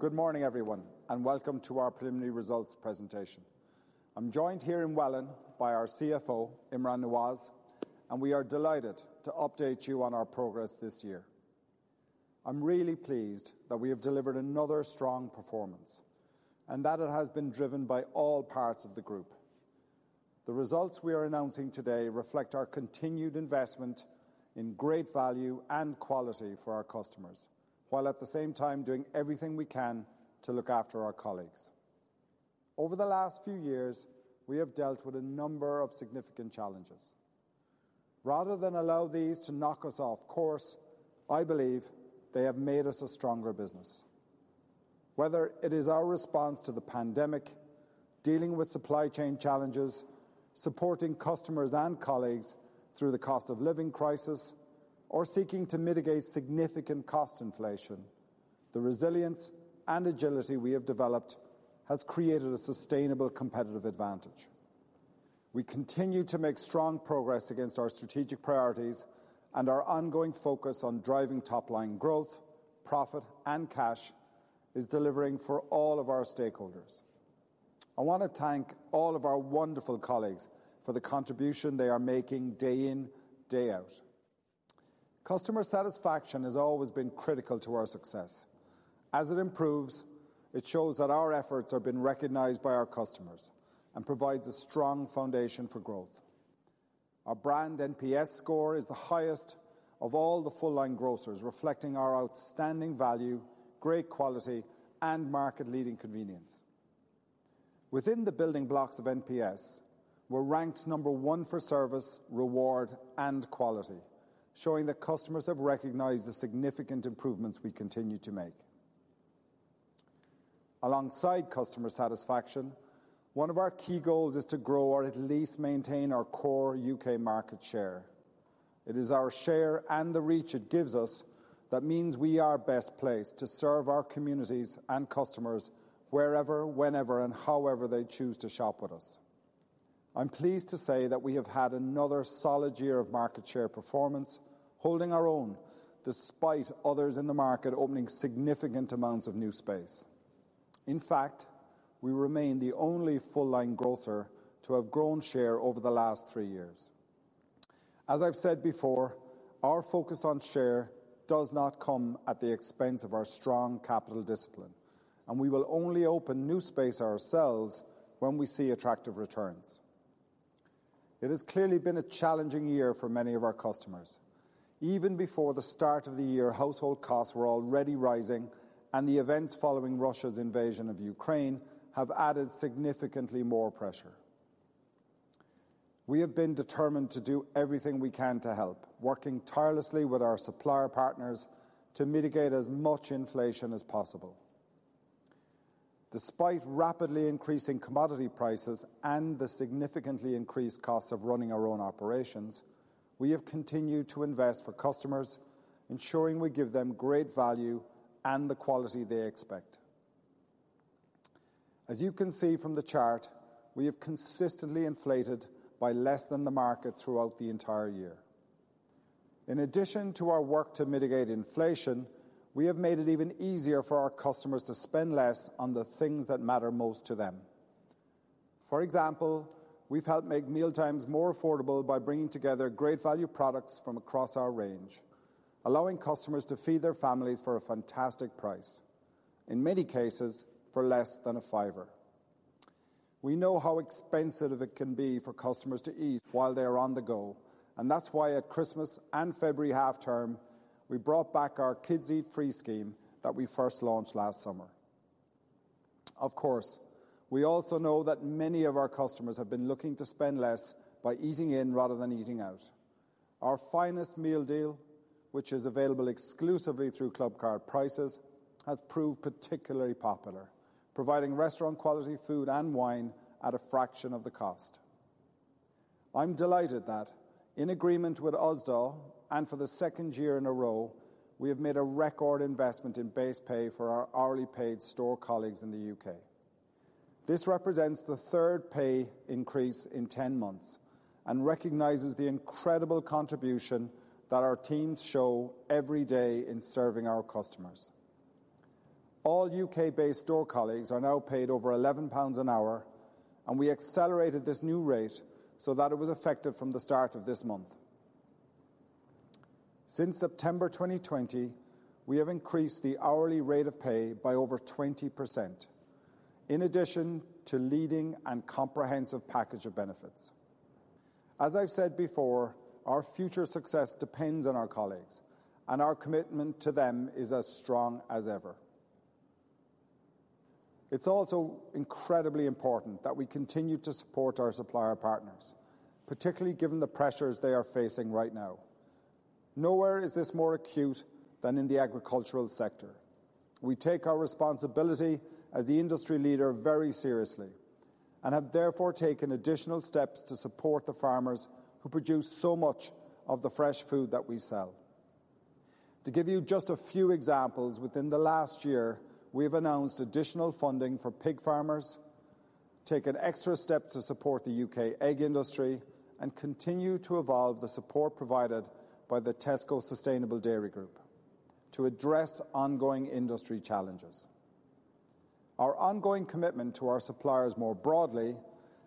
Good morning, everyone. Welcome to our preliminary results presentation. I'm joined here in Welwyn by our CFO, Imran Nawaz, and we are delighted to update you on our progress this year. I'm really pleased that we have delivered another strong performance and that it has been driven by all parts of the group. The results we are announcing today reflect our continued investment in great value and quality for our customers, while at the same time doing everything we can to look after our colleagues. Over the last few years, we have dealt with a number of significant challenges. Rather than allow these to knock us off course, I believe they have made us a stronger business. Whether it is our response to the pandemic, dealing with supply chain challenges, supporting customers and colleagues through the cost of living crisis, or seeking to mitigate significant cost inflation, the resilience and agility we have developed has created a sustainable competitive advantage. We continue to make strong progress against our strategic priorities and our ongoing focus on driving top-line growth, profit, and cash is delivering for all of our stakeholders. I want to thank all of our wonderful colleagues for the contribution they are making day in, day out. Customer satisfaction has always been critical to our success. As it improves, it shows that our efforts are being recognized by our customers and provides a strong foundation for growth. Our brand NPS score is the highest of all the full-line grocers, reflecting our outstanding value, great quality, and market-leading convenience. Within the building blocks of NPS, we're ranked number 1 for service, reward, and quality, showing that customers have recognized the significant improvements we continue to make. Alongside customer satisfaction, one of our key goals is to grow or at least maintain our core U.K. market share. It is our share and the reach it gives us that means we are best placed to serve our communities and customers wherever, whenever, and however they choose to shop with us. I'm pleased to say that we have had another solid year of market share performance, holding our own despite others in the market opening significant amounts of new space. We remain the only full-line grocer to have grown share over the last 3 years. As I've said before, our focus on share does not come at the expense of our strong capital discipline, and we will only open new space ourselves when we see attractive returns. It has clearly been a challenging year for many of our customers. Even before the start of the year, household costs were already rising, and the events following Russia's invasion of Ukraine have added significantly more pressure. We have been determined to do everything we can to help, working tirelessly with our supplier partners to mitigate as much inflation as possible. Despite rapidly increasing commodity prices and the significantly increased costs of running our own operations, we have continued to invest for customers, ensuring we give them great value and the quality they expect. As you can see from the chart, we have consistently inflated by less than the market throughout the entire year. In addition to our work to mitigate inflation, we have made it even easier for our customers to spend less on the things that matter most to them. For example, we've helped make mealtimes more affordable by bringing together great value products from across our range, allowing customers to feed their families for a fantastic price, in many cases, for less than GBP 5. We know how expensive it can be for customers to eat while they are on the go, and that's why at Christmas and February half-term, we brought back our Kids Eat Free scheme that we first launched last summer. Of course, we also know that many of our customers have been looking to spend less by eating in rather than eating out. Our Finest meal deal, which is available exclusively through Clubcard prices, has proved particularly popular, providing restaurant-quality food and wine at a fraction of the cost. I'm delighted that in agreement with Usdaw and for the second year in a row, we have made a record investment in base pay for our hourly paid store colleagues in the U.K. This represents the third pay increase in 10 months and recognizes the incredible contribution that our teams show every day in serving our customers. All U.K.-based store colleagues are now paid over 11 pounds an hour, and we accelerated this new rate so that it was effective from the start of this month. Since September 2020, we have increased the hourly rate of pay by over 20% in addition to leading and comprehensive package of benefits. As I've said before, our future success depends on our colleagues, and our commitment to them is as strong as ever. It's also incredibly important that we continue to support our supplier partners, particularly given the pressures they are facing right now. Nowhere is this more acute than in the agricultural sector. We take our responsibility as the industry leader very seriously and have therefore taken additional steps to support the farmers who produce so much of the fresh food that we sell. To give you just a few examples, within the last year, we have announced additional funding for pig farmers. Take an extra step to support the U.K. egg industry and continue to evolve the support provided by the Tesco Sustainable Dairy Group to address ongoing industry challenges. Our ongoing commitment to our suppliers more broadly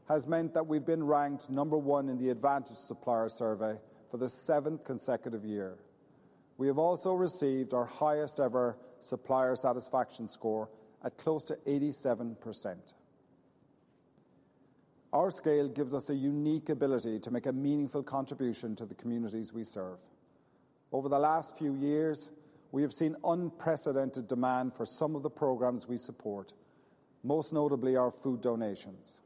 has meant that we've been ranked number 1 in the Advantage Supplier Survey for the 7th consecutive year. We have also received our highest ever supplier satisfaction score at close to 87%. Our scale gives us a unique ability to make a meaningful contribution to the communities we serve. Over the last few years, we have seen unprecedented demand for some of the programs we support, most notably our food donations.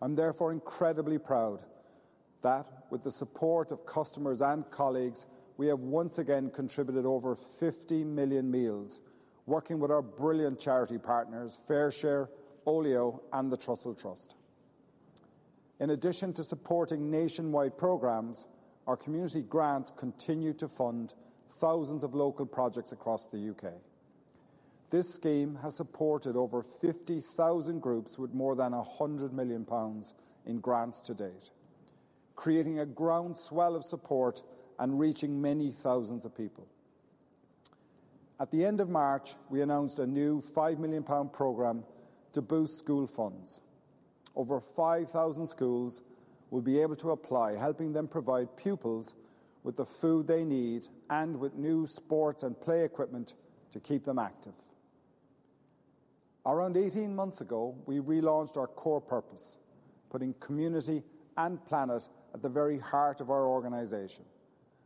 I'm therefore incredibly proud that with the support of customers and colleagues, we have once again contributed over 50 million meals working with our brilliant charity partners, FareShare, Olio, and the Trussell Trust. In addition to supporting nationwide programs, our community grants continue to fund thousands of local projects across the U.K. This scheme has supported over 50,000 groups with more than 100 million pounds in grants to date, creating a groundswell of support and reaching many thousands of people. At the end of March, we announced a new 5 million pound program to boost school funds. Over 5,000 schools will be able to apply, helping them provide pupils with the food they need and with new sports and play equipment to keep them active. Around 18 months ago, we relaunched our core purpose, putting community and planet at the very heart of our organization.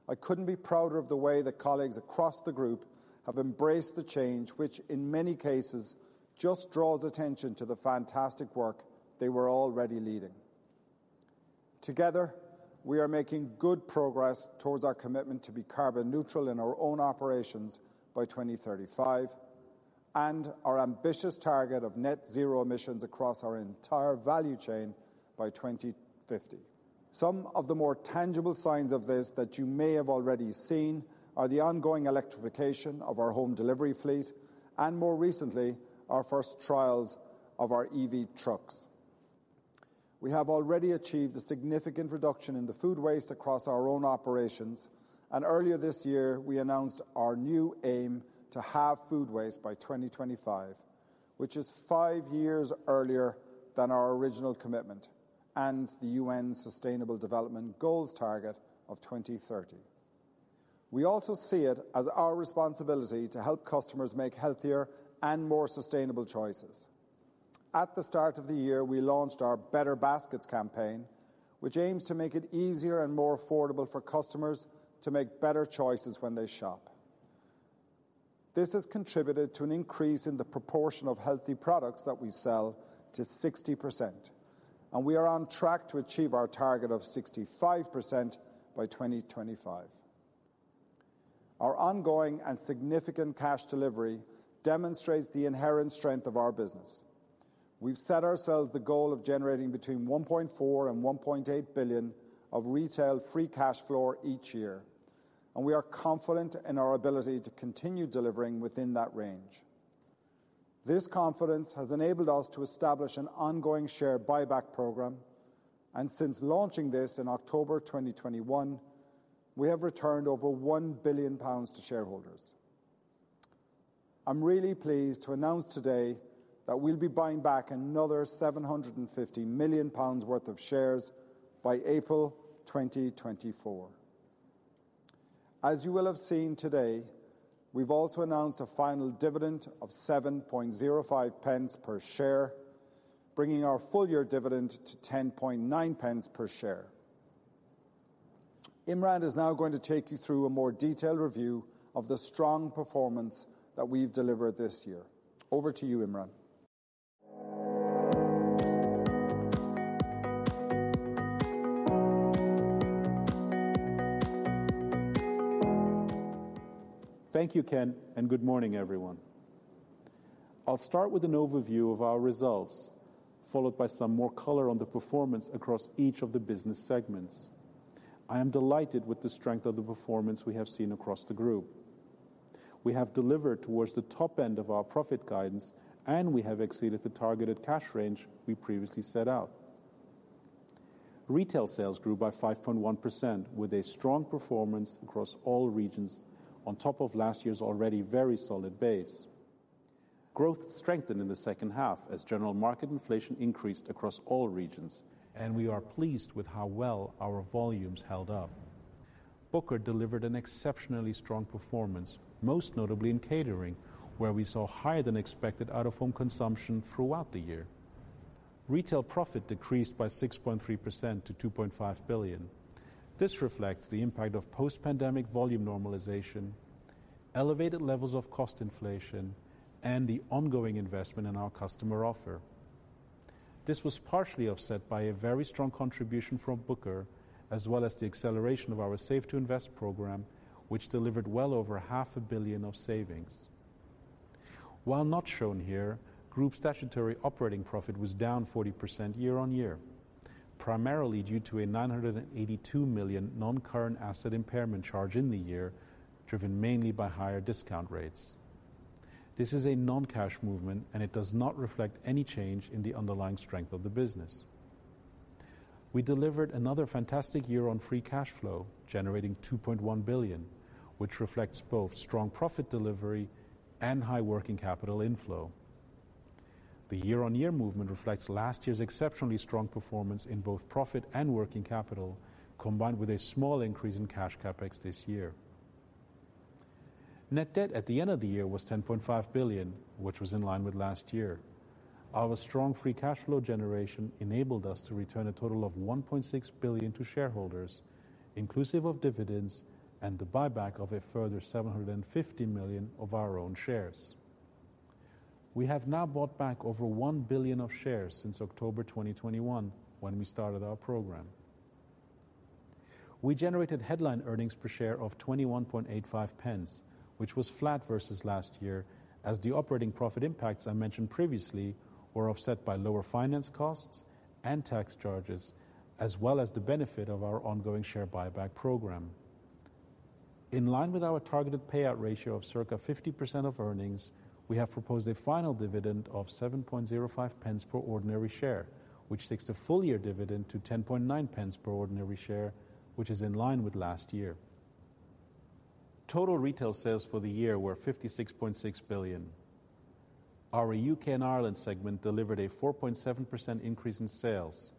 I couldn't be prouder of the way that colleagues across the group have embraced the change, which in many cases just draws attention to the fantastic work they were already leading. Together, we are making good progress towards our commitment to be carbon neutral in our own operations by 2035, and our ambitious target of net zero emissions across our entire value chain by 2050. Some of the more tangible signs of this that you may have already seen are the ongoing electrification of our home delivery fleet and more recently, our first trials of our EV trucks. We have already achieved a significant reduction in the food waste across our own operations. Earlier this year we announced our new aim to halve food waste by 2025, which is 5 years earlier than our original commitment and the UN Sustainable Development Goals target of 2030. We also see it as our responsibility to help customers make healthier and more sustainable choices. At the start of the year, we launched our Better Baskets campaign, which aims to make it easier and more affordable for customers to make better choices when they shop. This has contributed to an increase in the proportion of healthy products that we sell to 60%, and we are on track to achieve our target of 65% by 2025. Our ongoing and significant cash delivery demonstrates the inherent strength of our business. We've set ourselves the goal of generating between 1.4 billion-1.8 billion of retail free cash flow each year, and we are confident in our ability to continue delivering within that range. This confidence has enabled us to establish an ongoing share buyback program, and since launching this in October 2021, we have returned over 1 billion pounds to shareholders. I'm really pleased to announce today that we'll be buying back another 750 million pounds worth of shares by April 2024. As you will have seen today, we've also announced a final dividend of 7.05 pence per share, bringing our full year dividend to 10.9 pence per share. Imran is now going to take you through a more detailed review of the strong performance that we've delivered this year. Over to you, Imran. Thank you, Ken. Good morning everyone. I'll start with an overview of our results, followed by some more color on the performance across each of the business segments. I am delighted with the strength of the performance we have seen across the group. We have delivered towards the top end of our profit guidance, and we have exceeded the targeted cash range we previously set out. Retail sales grew by 5.1% with a strong performance across all regions on top of last year's already very solid base. Growth strengthened in the second half as general market inflation increased across all regions, and we are pleased with how well our volumes held up. Booker delivered an exceptionally strong performance, most notably in catering, where we saw higher than expected out of home consumption throughout the year. Retail profit decreased by 6.3% to 2.5 billion. This reflects the impact of post-pandemic volume normalization, elevated levels of cost inflation, and the ongoing investment in our customer offer. This was partially offset by a very strong contribution from Booker, as well as the acceleration of our Save to Invest program, which delivered well over half a billion of savings. While not shown here, group statutory operating profit was down 40% year-over-year. Primarily due to a 982 million non-current asset impairment charge in the year, driven mainly by higher discount rates. This is a non-cash movement, and it does not reflect any change in the underlying strength of the business. We delivered another fantastic year on free cash flow, generating 2.1 billion, which reflects both strong profit delivery and high working capital inflow. The year-on-year movement reflects last year's exceptionally strong performance in both profit and working capital, combined with a small increase in cash capex this year. Net debt at the end of the year was 10.5 billion, which was in line with last year. Our strong free cash flow generation enabled us to return a total of 1.6 billion to shareholders, inclusive of dividends and the buyback of a further 750 million of our own shares. We have now bought back over 1 billion of shares since October 2021, when we started our program. We generated headline earnings per share of 0.2185, which was flat versus last year as the operating profit impacts I mentioned previously were offset by lower finance costs and tax charges, as well as the benefit of our ongoing share buyback program. In line with our targeted payout ratio of circa 50% of earnings, we have proposed a final dividend of 7.05 pence per ordinary share, which takes the full year dividend to 0.109 per ordinary share, which is in line with last year. Total retail sales for the year were 56.6 billion. Our U.K. and Ireland segment delivered a 4.7% increase in sales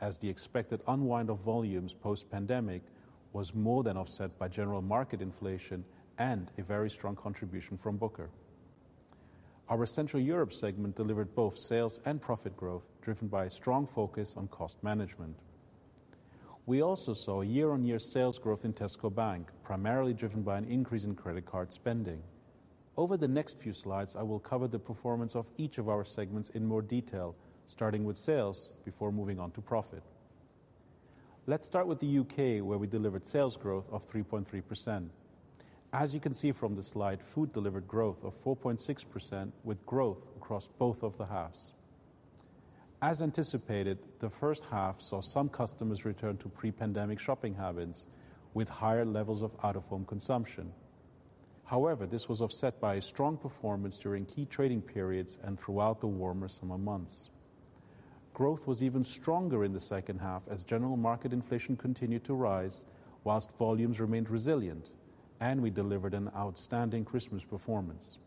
as the expected unwind of volumes post pandemic was more than offset by general market inflation and a very strong contribution from Booker. Our Central Europe segment delivered both sales and profit growth, driven by a strong focus on cost management. We also saw year-over-year sales growth in Tesco Bank, primarily driven by an increase in credit card spending. Over the next few slides, I will cover the performance of each of our segments in more detail, starting with sales before moving on to profit. Let's start with the U.K., where we delivered sales growth of 3.3%. As you can see from the slide, food delivered growth of 4.6% with growth across both of the halves. As anticipated, the first half saw some customers return to pre-pandemic shopping habits with higher levels of out-of-home consumption. However, this was offset by a strong performance during key trading periods and throughout the warmer summer months. Growth was even stronger in the second half as general market inflation continued to rise whilst volumes remained resilient, and we delivered an outstanding Christmas performance.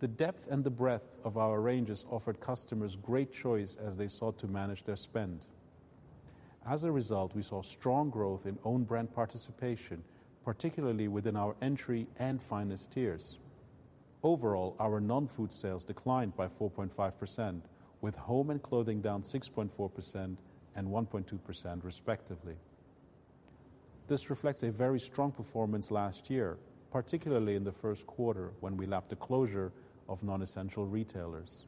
The depth and the breadth of our ranges offered customers great choice as they sought to manage their spend. As a result, we saw strong growth in own brand participation, particularly within our entry and Finest tiers. Overall, our non-food sales declined by 4.5%, with home and clothing down 6.4% and 1.2% respectively. This reflects a very strong performance last year, particularly in the first quarter when we lapped the closure of non-essential retailers.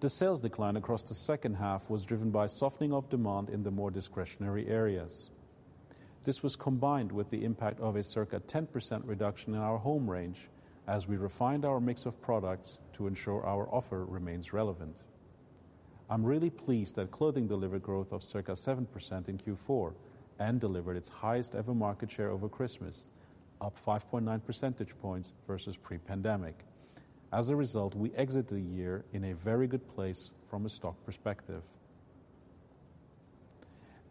The sales decline across the second half was driven by softening of demand in the more discretionary areas. This was combined with the impact of a circa 10% reduction in our home range as we refined our mix of products to ensure our offer remains relevant. I'm really pleased that clothing delivered growth of circa 7% in Q4 and delivered its highest ever market share over Christmas, up 5.9 percentage points versus pre-pandemic. We exit the year in a very good place from a stock perspective.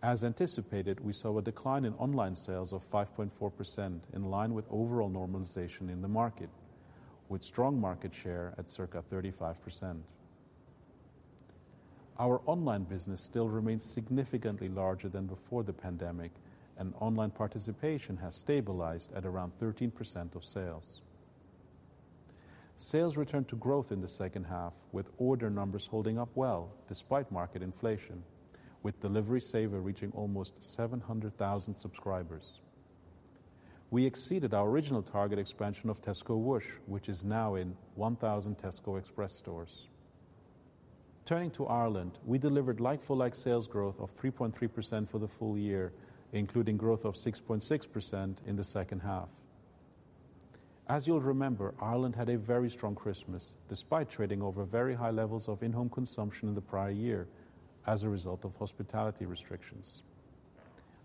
As anticipated, we saw a decline in online sales of 5.4% in line with overall normalization in the market, with strong market share at circa 35%. Our online business still remains significantly larger than before the pandemic, and online participation has stabilized at around 13% of sales. Sales returned to growth in the second half, with order numbers holding up well despite market inflation, with Delivery Saver reaching almost 700,000 subscribers. We exceeded our original target expansion of Tesco Whoosh, which is now in 1,000 Tesco Express stores. Turning to Ireland, we delivered like-for-like sales growth of 3.3% for the full year, including growth of 6.6% in the second half. As you'll remember, Ireland had a very strong Christmas, despite trading over very high levels of in-home consumption in the prior year as a result of hospitality restrictions.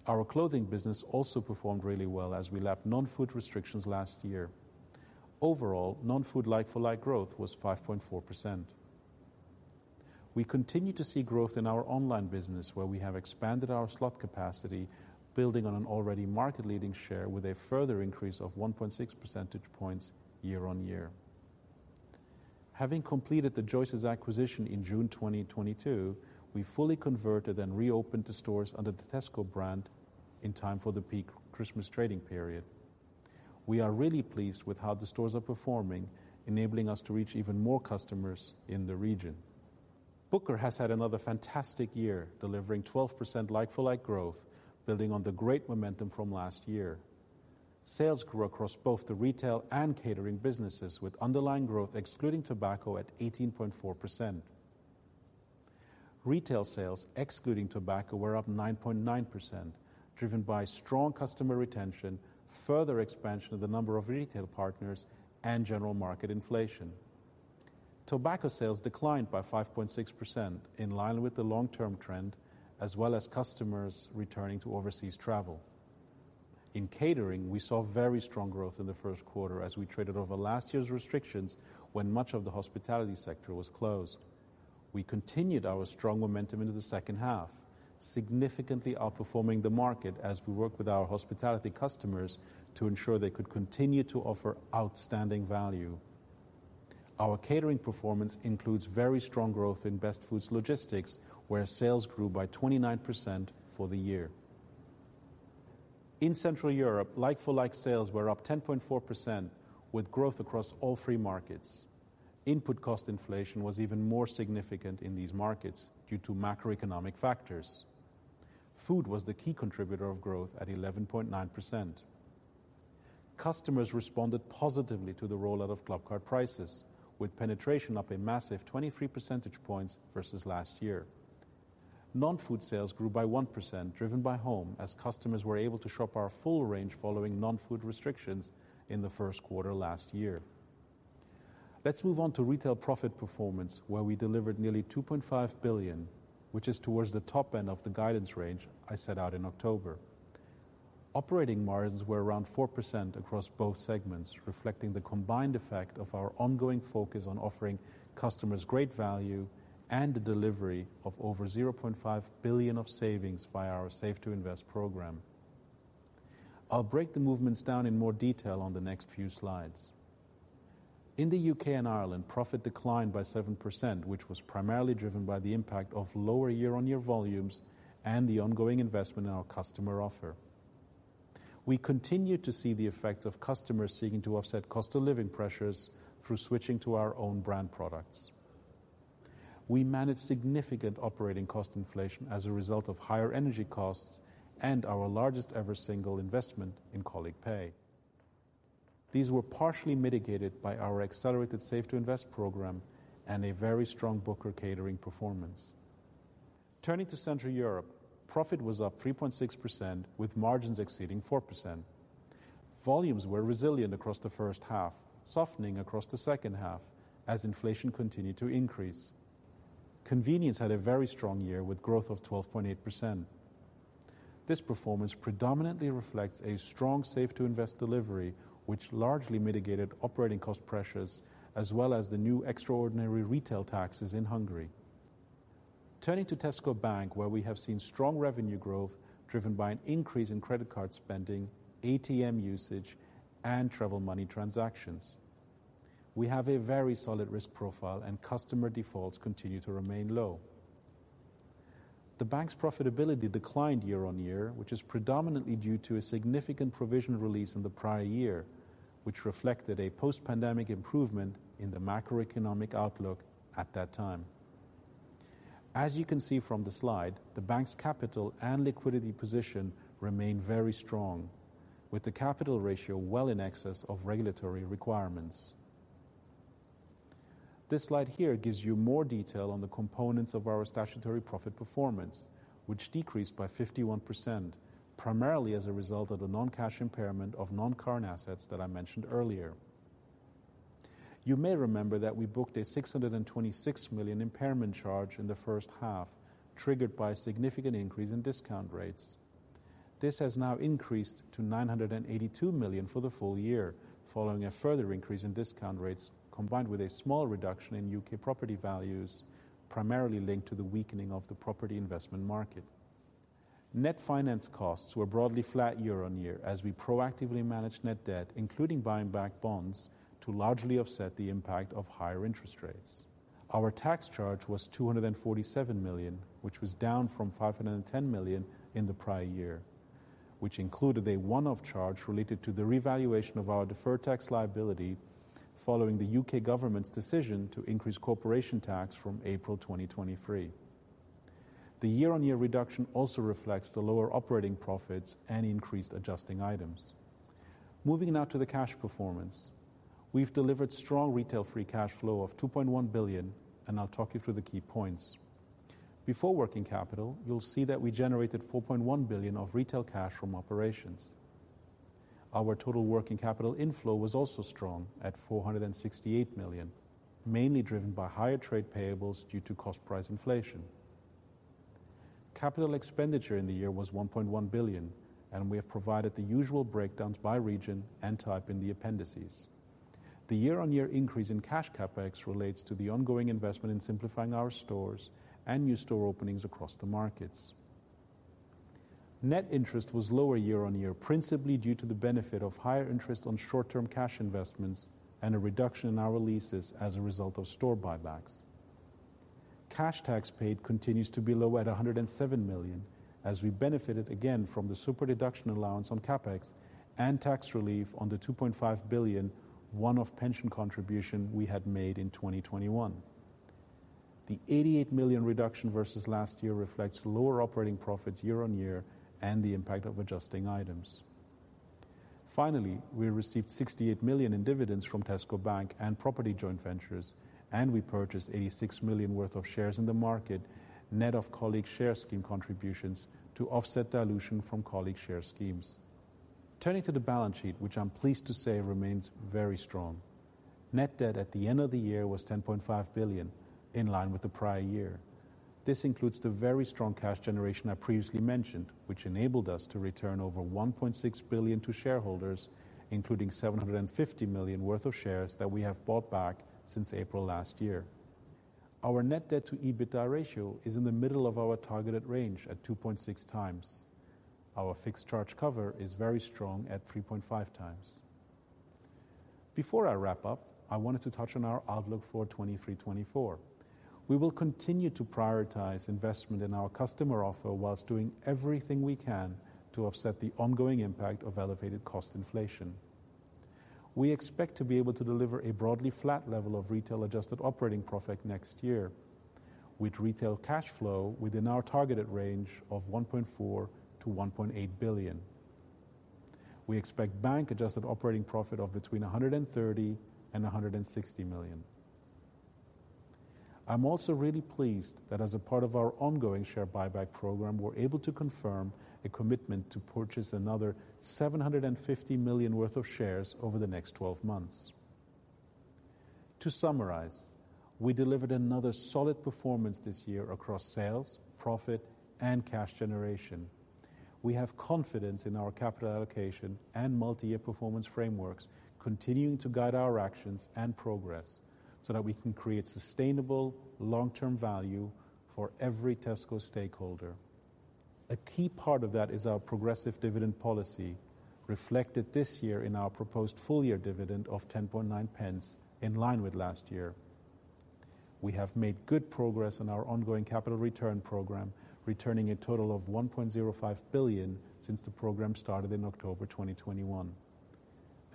Our clothing business also performed really well as we lapped non-food restrictions last year. Overall, non-food like for like growth was 5.4%. We continue to see growth in our online business where we have expanded our slot capacity building on an already market leading share with a further increase of 1.6 percentage points year on year. Having completed the Joyce's acquisition in June 2022, we fully converted and reopened the stores under the Tesco brand in time for the peak Christmas trading period. We are really pleased with how the stores are performing, enabling us to reach even more customers in the region. Booker has had another fantastic year, delivering 12% like-for-like growth, building on the great momentum from last year. Sales grew across both the retail and catering businesses, with underlying growth excluding tobacco at 18.4%. Retail sales excluding tobacco were up 9.9%, driven by strong customer retention, further expansion of the number of retail partners and general market inflation. Tobacco sales declined by 5.6% in line with the long-term trend, as well as customers returning to overseas travel. In catering, we saw very strong growth in the first quarter as we traded over last year's restrictions when much of the hospitality sector was closed. We continued our strong momentum into the second half, significantly outperforming the market as we work with our hospitality customers to ensure they could continue to offer outstanding value. Our catering performance includes very strong growth in Best Food Logistics, where sales grew by 29% for the year. In Central Europe, like-for-like sales were up 10.4% with growth across all three markets. Input cost inflation was even more significant in these markets due to macroeconomic factors. Food was the key contributor of growth at 11.9%. Customers responded positively to the rollout of Clubcard prices, with penetration up a massive 23 percentage points versus last year. Non-food sales grew by 1%, driven by home as customers were able to shop our full range following non-food restrictions in the first quarter last year. Let's move on to retail profit performance, where we delivered nearly 2.5 billion, which is towards the top end of the guidance range I set out in October. Operating margins were around 4% across both segments, reflecting the combined effect of our ongoing focus on offering customers great value and the delivery of over 0.5 billion of savings via our Save to Invest program. I'll break the movements down in more detail on the next few slides. In the U.K. and Ireland, profit declined by 7%, which was primarily driven by the impact of lower year-on-year volumes and the ongoing investment in our customer offer. We continued to see the effects of customers seeking to offset cost of living pressures through switching to our own brand products. We managed significant operating cost inflation as a result of higher energy costs and our largest ever single investment in colleague pay. These were partially mitigated by our accelerated Save to Invest program and a very strong Booker Catering performance. Turning to Central Europe, profit was up 3.6% with margins exceeding 4%. Volumes were resilient across the first half, softening across the second half as inflation continued to increase. Convenience had a very strong year with growth of 12.8%. This performance predominantly reflects a strong Save to Invest delivery, which largely mitigated operating cost pressures as well as the new extraordinary retail taxes in Hungary. Turning to Tesco Bank, where we have seen strong revenue growth driven by an increase in credit card spending, ATM usage, and travel money transactions. We have a very solid risk profile and customer defaults continue to remain low. The bank's profitability declined year on year, which is predominantly due to a significant provision release in the prior year, which reflected a post-pandemic improvement in the macroeconomic outlook at that time. As you can see from the slide, the bank's capital and liquidity position remain very strong, with the capital ratio well in excess of regulatory requirements. This slide here gives you more detail on the components of our statutory profit performance, which decreased by 51%, primarily as a result of the non-cash impairment of non-current assets that I mentioned earlier. You may remember that we booked a 626 million impairment charge in the first half, triggered by a significant increase in discount rates. This has now increased to 982 million for the full year, following a further increase in discount rates combined with a small reduction in U.K. property values, primarily linked to the weakening of the property investment market. Net finance costs were broadly flat year-over-year as we proactively managed net debt, including buying back bonds, to largely offset the impact of higher interest rates. Our tax charge was 247 million, which was down from 510 million in the prior year, which included a one-off charge related to the revaluation of our deferred tax liability following the U.K. government's decision to increase corporation tax from April 2023. The year-over-year reduction also reflects the lower operating profits and increased adjusting items. Moving now to the cash performance. We've delivered strong retail free cash flow of 2.1 billion, I'll talk you through the key points. Before working capital, you'll see that we generated 4.1 billion of retail cash from operations. Our total working capital inflow was also strong at 468 million, mainly driven by higher trade payables due to cost price inflation. Capital expenditure in the year was 1.1 billion. We have provided the usual breakdowns by region and type in the appendices. The year-over-year increase in cash CapEx relates to the ongoing investment in simplifying our stores and new store openings across the markets. Net interest was lower year-over-year, principally due to the benefit of higher interest on short-term cash investments and a reduction in our leases as a result of store buybacks. Cash tax paid continues to be low at 107 million as we benefited again from the super-deduction allowance on CapEx and tax relief on the 2.5 billion one-off pension contribution we had made in 2021. The 88 million reduction versus last year reflects lower operating profits year on year and the impact of adjusting items. Finally, we received 68 million in dividends from Tesco Bank and property joint ventures. We purchased 86 million worth of shares in the market net of colleague share scheme contributions to offset dilution from colleague share schemes. Turning to the balance sheet, which I'm pleased to say remains very strong. Net debt at the end of the year was 10.5 billion, in line with the prior year. This includes the very strong cash generation I previously mentioned, which enabled us to return over 1.6 billion to shareholders, including 750 million worth of shares that we have bought back since April last year. Our net debt to EBITDA ratio is in the middle of our targeted range at 2.6x. Our fixed charge cover is very strong at 3.5 times. Before I wrap up, I wanted to touch on our outlook for 2023-2024. We will continue to prioritize investment in our customer offer while doing everything we can to offset the ongoing impact of elevated cost inflation. We expect to be able to deliver a broadly flat level of retail adjusted operating profit next year, with retail cash flow within our targeted range of 1.4 billion-1.8 billion. We expect bank adjusted operating profit of between 130 million and 160 million. I'm also really pleased that as a part of our ongoing share buyback program, we're able to confirm a commitment to purchase another 750 million worth of shares over the next 12 months. To summarize, we delivered another solid performance this year across sales, profit, and cash generation. We have confidence in our capital allocation and multi-year performance frameworks continuing to guide our actions and progress so that we can create sustainable long-term value for every Tesco stakeholder. A key part of that is our progressive dividend policy, reflected this year in our proposed full year dividend of 0.109 in line with last year. We have made good progress on our ongoing capital return program, returning a total of 1.05 billion since the program started in October 2021.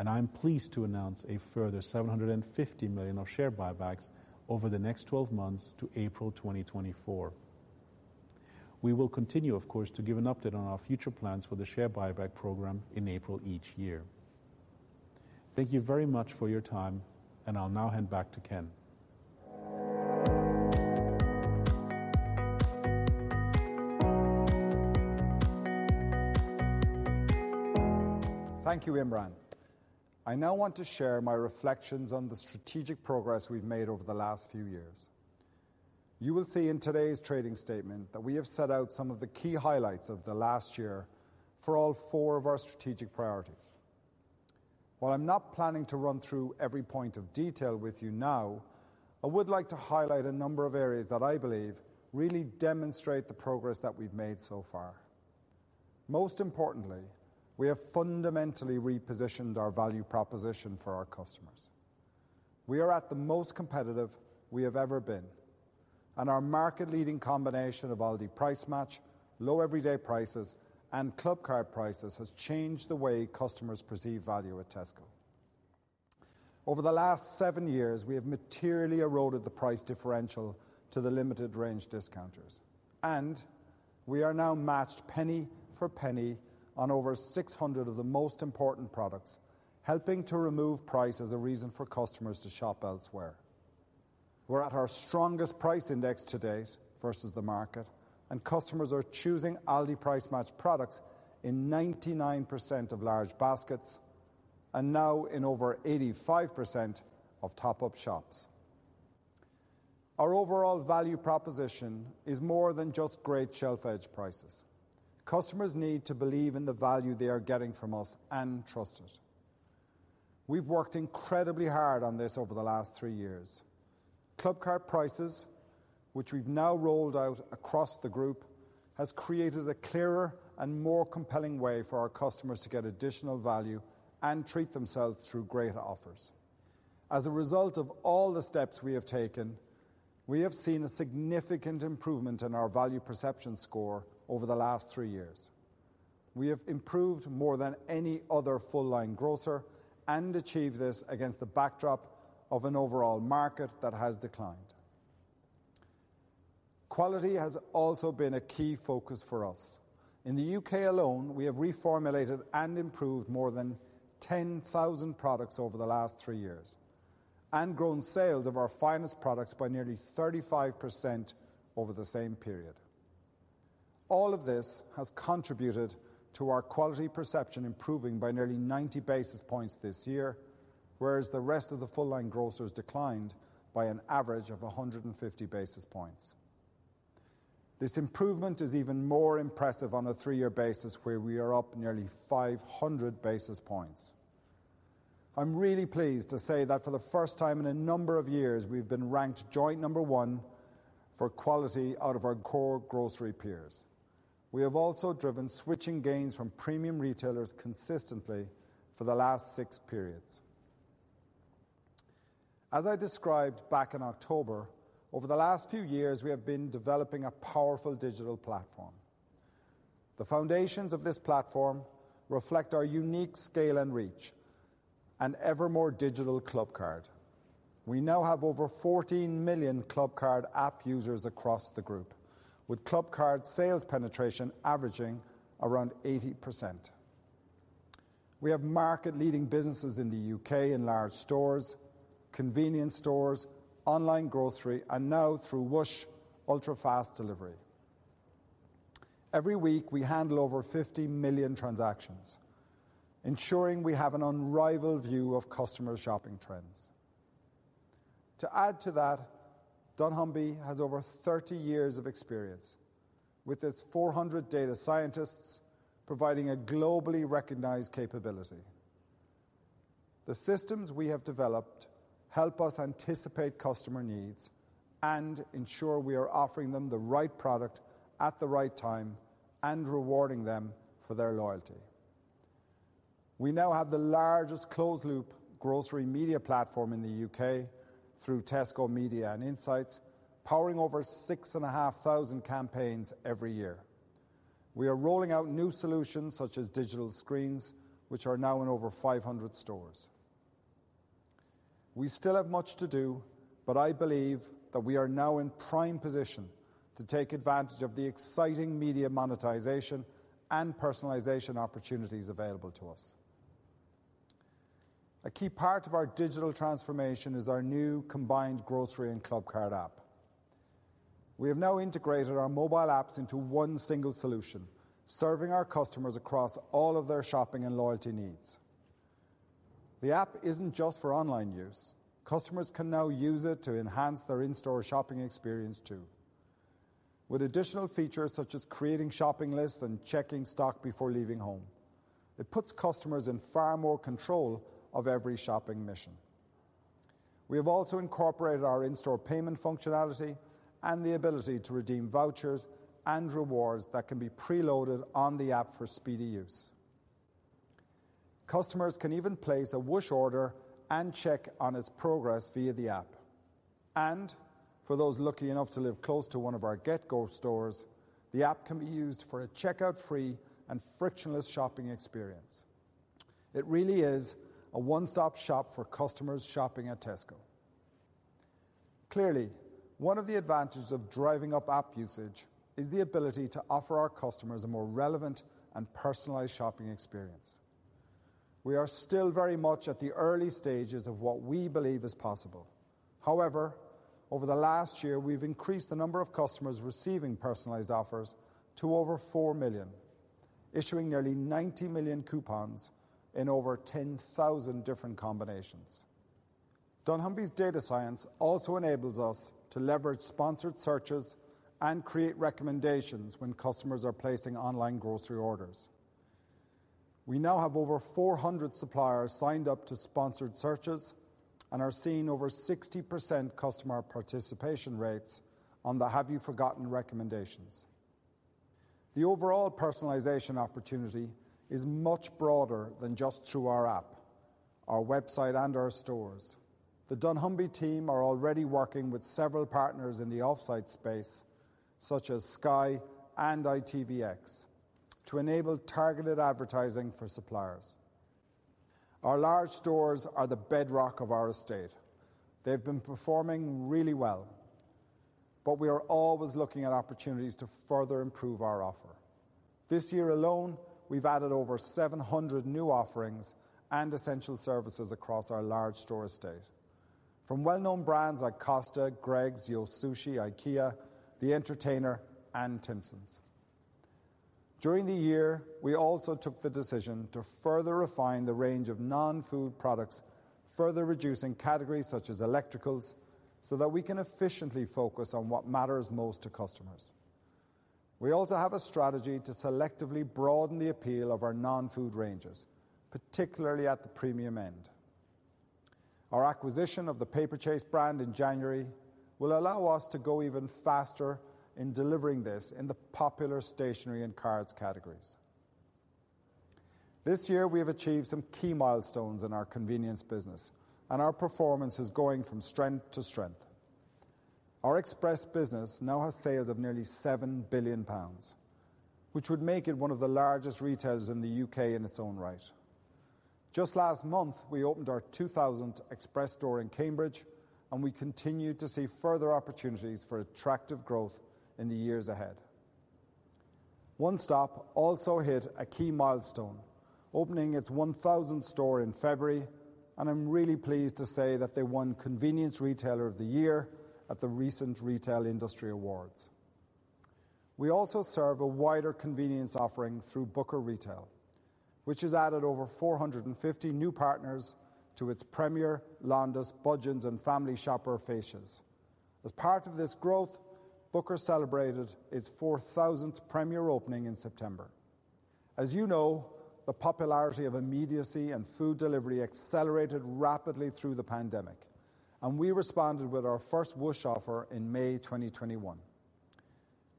I'm pleased to announce a further 750 million of share buybacks over the next 12 months to April 2024. We will continue, of course, to give an update on our future plans for the share buyback program in April each year. Thank you very much for your time, and I'll now hand back to Ken. Thank you, Imran. I now want to share my reflections on the strategic progress we've made over the last few years. You will see in today's trading statement that we have set out some of the key highlights of the last year for all four of our strategic priorities. While I'm not planning to run through every point of detail with you now, I would like to highlight a number of areas that I believe really demonstrate the progress that we've made so far. Most importantly, we have fundamentally repositioned our value proposition for our customers. We are at the most competitive we have ever been, and our market leading combination of Aldi Price Match, low everyday prices, and Clubcard prices has changed the way customers perceive value at Tesco. Over the last 7 years, we have materially eroded the price differential to the limited range discounters. We are now matched penny for penny on over 600 of the most important products, helping to remove price as a reason for customers to shop elsewhere. We're at our strongest price index to date versus the market. Customers are choosing Aldi Price Match products in 99% of large baskets and now in over 85% of top-up shops. Our overall value proposition is more than just great shelf edge prices. Customers need to believe in the value they are getting from us and trust it. We've worked incredibly hard on this over the last 3 years. Clubcard prices, which we've now rolled out across the group, has created a clearer and more compelling way for our customers to get additional value and treat themselves through great offers. As a result of all the steps we have taken, we have seen a significant improvement in our value perception score over the last three years. We have improved more than any other full line grocer and achieved this against the backdrop of an overall market that has declined. Quality has also been a key focus for us. In the UK alone, we have reformulated and improved more than 10,000 products over the last three years and grown sales of our Finest products by nearly 35% over the same period. All of this has contributed to our quality perception improving by nearly 90 basis points this year, whereas the rest of the full line grocers declined by an average of 150 basis points. This improvement is even more impressive on a three-year basis where we are up nearly 500 basis points. I'm really pleased to say that for the first time in a number of years we've been ranked joint number one for quality out of our core grocery peers. We have also driven switching gains from premium retailers consistently for the last 6 periods. As I described back in October, over the last few years we have been developing a powerful digital platform. The foundations of this platform reflect our unique scale and reach and ever more digital Clubcard. We now have over 14 million Clubcard app users across the group, with Clubcard sales penetration averaging around 80%. We have market-leading businesses in the U.K. in large stores, convenience stores, online grocery, and now through Whoosh ultra-fast delivery. Every week we handle over 50 million transactions, ensuring we have an unrivaled view of customer shopping trends. To add to that, dunnhumby has over 30 years of experience with its 400 data scientists providing a globally recognized capability. The systems we have developed help us anticipate customer needs and ensure we are offering them the right product at the right time and rewarding them for their loyalty. We now have the largest closed loop grocery media platform in the UK through Tesco Media and Insights, powering over 6,500 campaigns every year. We are rolling out new solutions such as digital screens, which are now in over 500 stores. We still have much to do, but I believe that we are now in prime position to take advantage of the exciting media monetization and personalization opportunities available to us. A key part of our digital transformation is our new combined grocery and Clubcard app. We have now integrated our mobile apps into one single solution, serving our customers across all of their shopping and loyalty needs. The app isn't just for online use. Customers can now use it to enhance their in-store shopping experience too. With additional features such as creating shopping lists and checking stock before leaving home, it puts customers in far more control of every shopping mission. We have also incorporated our in-store payment functionality and the ability to redeem vouchers and rewards that can be preloaded on the app for speedy use. Customers can even place a Whoosh order and check on its progress via the app. For those lucky enough to live close to one of our GetGo stores, the app can be used for a checkout free and frictionless shopping experience. It really is a one-stop shop for customers shopping at Tesco. Clearly, one of the advantages of driving up app usage is the ability to offer our customers a more relevant and personalized shopping experience. We are still very much at the early stages of what we believe is possible. Over the last year, we've increased the number of customers receiving personalized offers to over 4 million, issuing nearly 90 million coupons in over 10,000 different combinations. dunnhumby's data science also enables us to leverage sponsored searches and create recommendations when customers are placing online grocery orders. We now have over 400 suppliers signed up to sponsored searches and are seeing over 60% customer participation rates on the Have You Forgotten recommendations. The overall personalization opportunity is much broader than just through our app, our website, and our stores. The dunnhumby team are already working with several partners in the offsite space, such as Sky and ITVX, to enable targeted advertising for suppliers. Our large stores are the bedrock of our estate. They've been performing really well, but we are always looking at opportunities to further improve our offer. This year alone, we've added over 700 new offerings and essential services across our large store estate from well-known brands like Costa, Greggs, YO! Sushi, IKEA, The Entertainer, and Timpson. During the year, we also took the decision to further refine the range of non-food products, further reducing categories such as electricals, so that we can efficiently focus on what matters most to customers. We also have a strategy to selectively broaden the appeal of our non-food ranges, particularly at the premium end. Our acquisition of the Paperchase brand in January will allow us to go even faster in delivering this in the popular stationery and cards categories. This year we have achieved some key milestones in our convenience business. Our performance is going from strength to strength. Our Express business now has sales of nearly 7 billion pounds, which would make it one of the largest retailers in the U.K. in its own right. Just last month, we opened our 2,000th Express store in Cambridge. We continue to see further opportunities for attractive growth in the years ahead. One Stop also hit a key milestone, opening its 1,000th store in February. I'm really pleased to say that they won Convenience Retailer of the Year at the recent Retail Industry Awards. We also serve a wider convenience offering through Booker Retail, which has added over 450 new partners to its Premier, Londis, Budgens, and Family Shopper fascias. As part of this growth, Booker celebrated its 4,000th Premier opening in September. As you know, the popularity of immediacy and food delivery accelerated rapidly through the pandemic, and we responded with our first Whoosh offer in May 2021.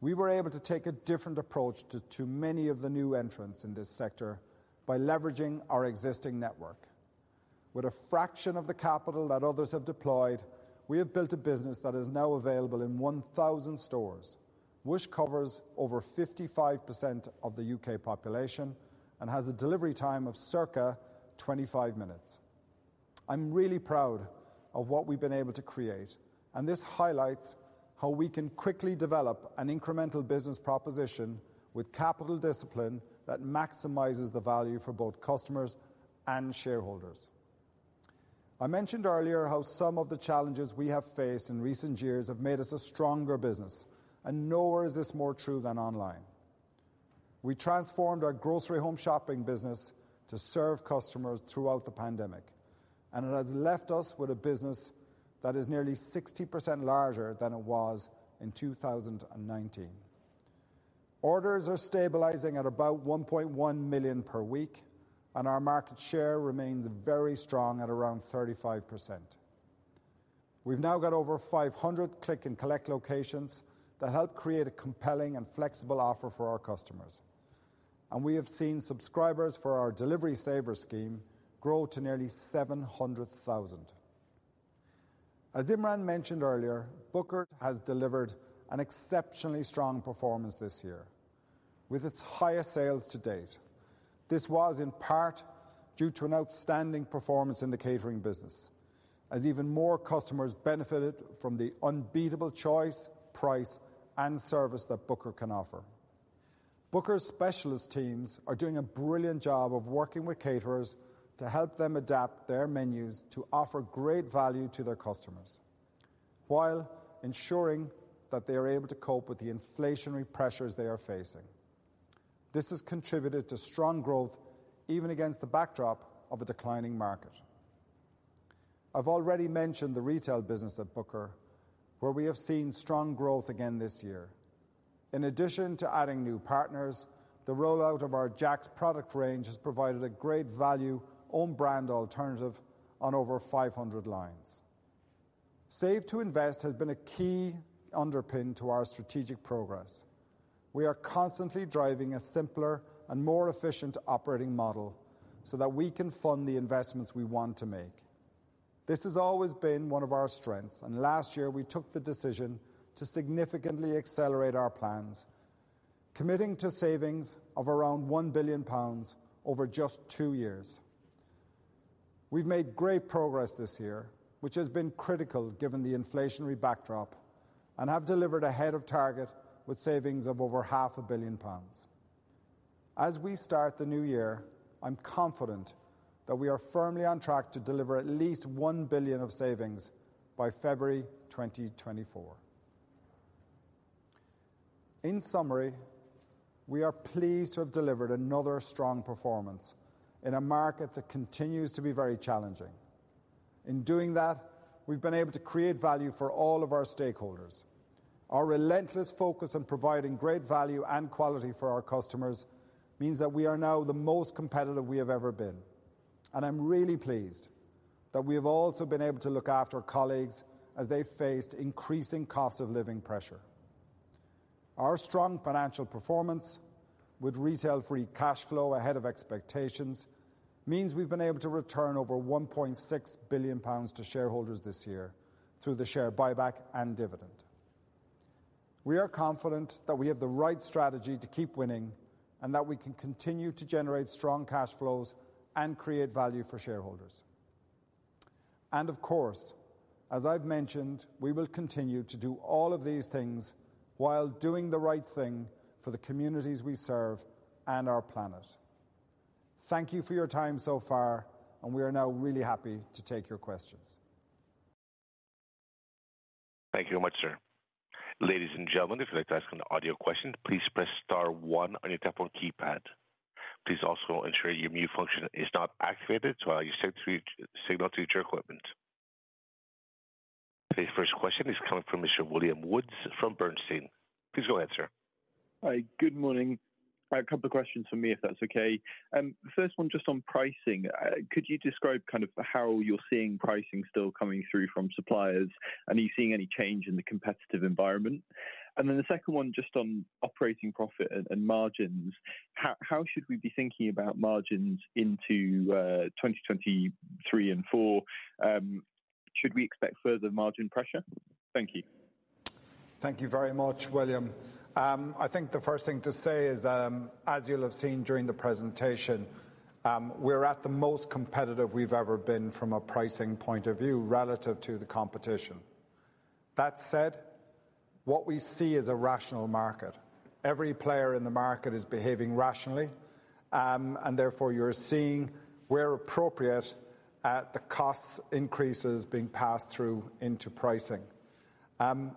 We were able to take a different approach to many of the new entrants in this sector by leveraging our existing network. With a fraction of the capital that others have deployed, we have built a business that is now available in 1,000 stores. Whoosh covers over 55% of the U.K. population and has a delivery time of circa 25 minutes. I'm really proud of what we've been able to create. This highlights how we can quickly develop an incremental business proposition with capital discipline that maximizes the value for both customers and shareholders. I mentioned earlier how some of the challenges we have faced in recent years have made us a stronger business. Nowhere is this more true than online. We transformed our grocery home shopping business to serve customers throughout the pandemic. It has left us with a business that is nearly 60% larger than it was in 2019. Orders are stabilizing at about 1.1 million per week. Our market share remains very strong at around 35%. We've now got over 500 click and collect locations that help create a compelling and flexible offer for our customers. We have seen subscribers for our Delivery Saver scheme grow to nearly 700,000. As Imran mentioned earlier, Booker has delivered an exceptionally strong performance this year with its highest sales to date. This was in part due to an outstanding performance in the catering business as even more customers benefited from the unbeatable choice, price, and service that Booker can offer. Booker's specialist teams are doing a brilliant job of working with caterers to help them adapt their menus to offer great value to their customers while ensuring that they are able to cope with the inflationary pressures they are facing. This has contributed to strong growth, even against the backdrop of a declining market. I've already mentioned the retail business at Booker, where we have seen strong growth again this year. In addition to adding new partners, the rollout of our Jack's product range has provided a great value own brand alternative on over 500 lines. Save to Invest has been a key underpin to our strategic progress. We are constantly driving a simpler and more efficient operating model so that we can fund the investments we want to make. This has always been one of our strengths. Last year we took the decision to significantly accelerate our plans, committing to savings of around 1 billion pounds over just two years. We've made great progress this year, which has been critical given the inflationary backdrop and have delivered ahead of target with savings of over half a billion pounds. We start the new year, I'm confident that we are firmly on track to deliver at least 1 billion of savings by February 2024. In summary, we are pleased to have delivered another strong performance in a market that continues to be very challenging. In doing that, we've been able to create value for all of our stakeholders. Our relentless focus on providing great value and quality for our customers means that we are now the most competitive we have ever been. I'm really pleased that we have also been able to look after colleagues as they faced increasing cost of living pressure. Our strong financial performance with retail free cash flow ahead of expectations means we've been able to return over 1.6 billion pounds to shareholders this year through the share buyback and dividend. We are confident that we have the right strategy to keep winning and that we can continue to generate strong cash flows and create value for shareholders. Of course, as I've mentioned, we will continue to do all of these things while doing the right thing for the communities we serve and our planet. Thank you for your time so far, and we are now really happy to take your questions. Thank you very much, sir. Ladies and gentlemen, if you'd like to ask an audio question, please press star one on your telephone keypad. Please also ensure your mute function is not activated via your signal to your equipment. Today's first question is coming from Mr William Woods from Bernstein. Please go ahead, sir. Hi. Good morning. I have a couple of questions from me, if that's okay. First one just on pricing. Could you describe kind of how you're seeing pricing still coming through from suppliers, and are you seeing any change in the competitive environment? The second one just on operating profit and margins. How should we be thinking about margins into 2023 and 2024? Should we expect further margin pressure? Thank you. Thank you very much, William. I think the first thing to say is, as you'll have seen during the presentation, we're at the most competitive we've ever been from a pricing point of view relative to the competition. That said, what we see is a rational market. Every player in the market is behaving rationally, and therefore you're seeing where appropriate, the cost increases being passed through into pricing.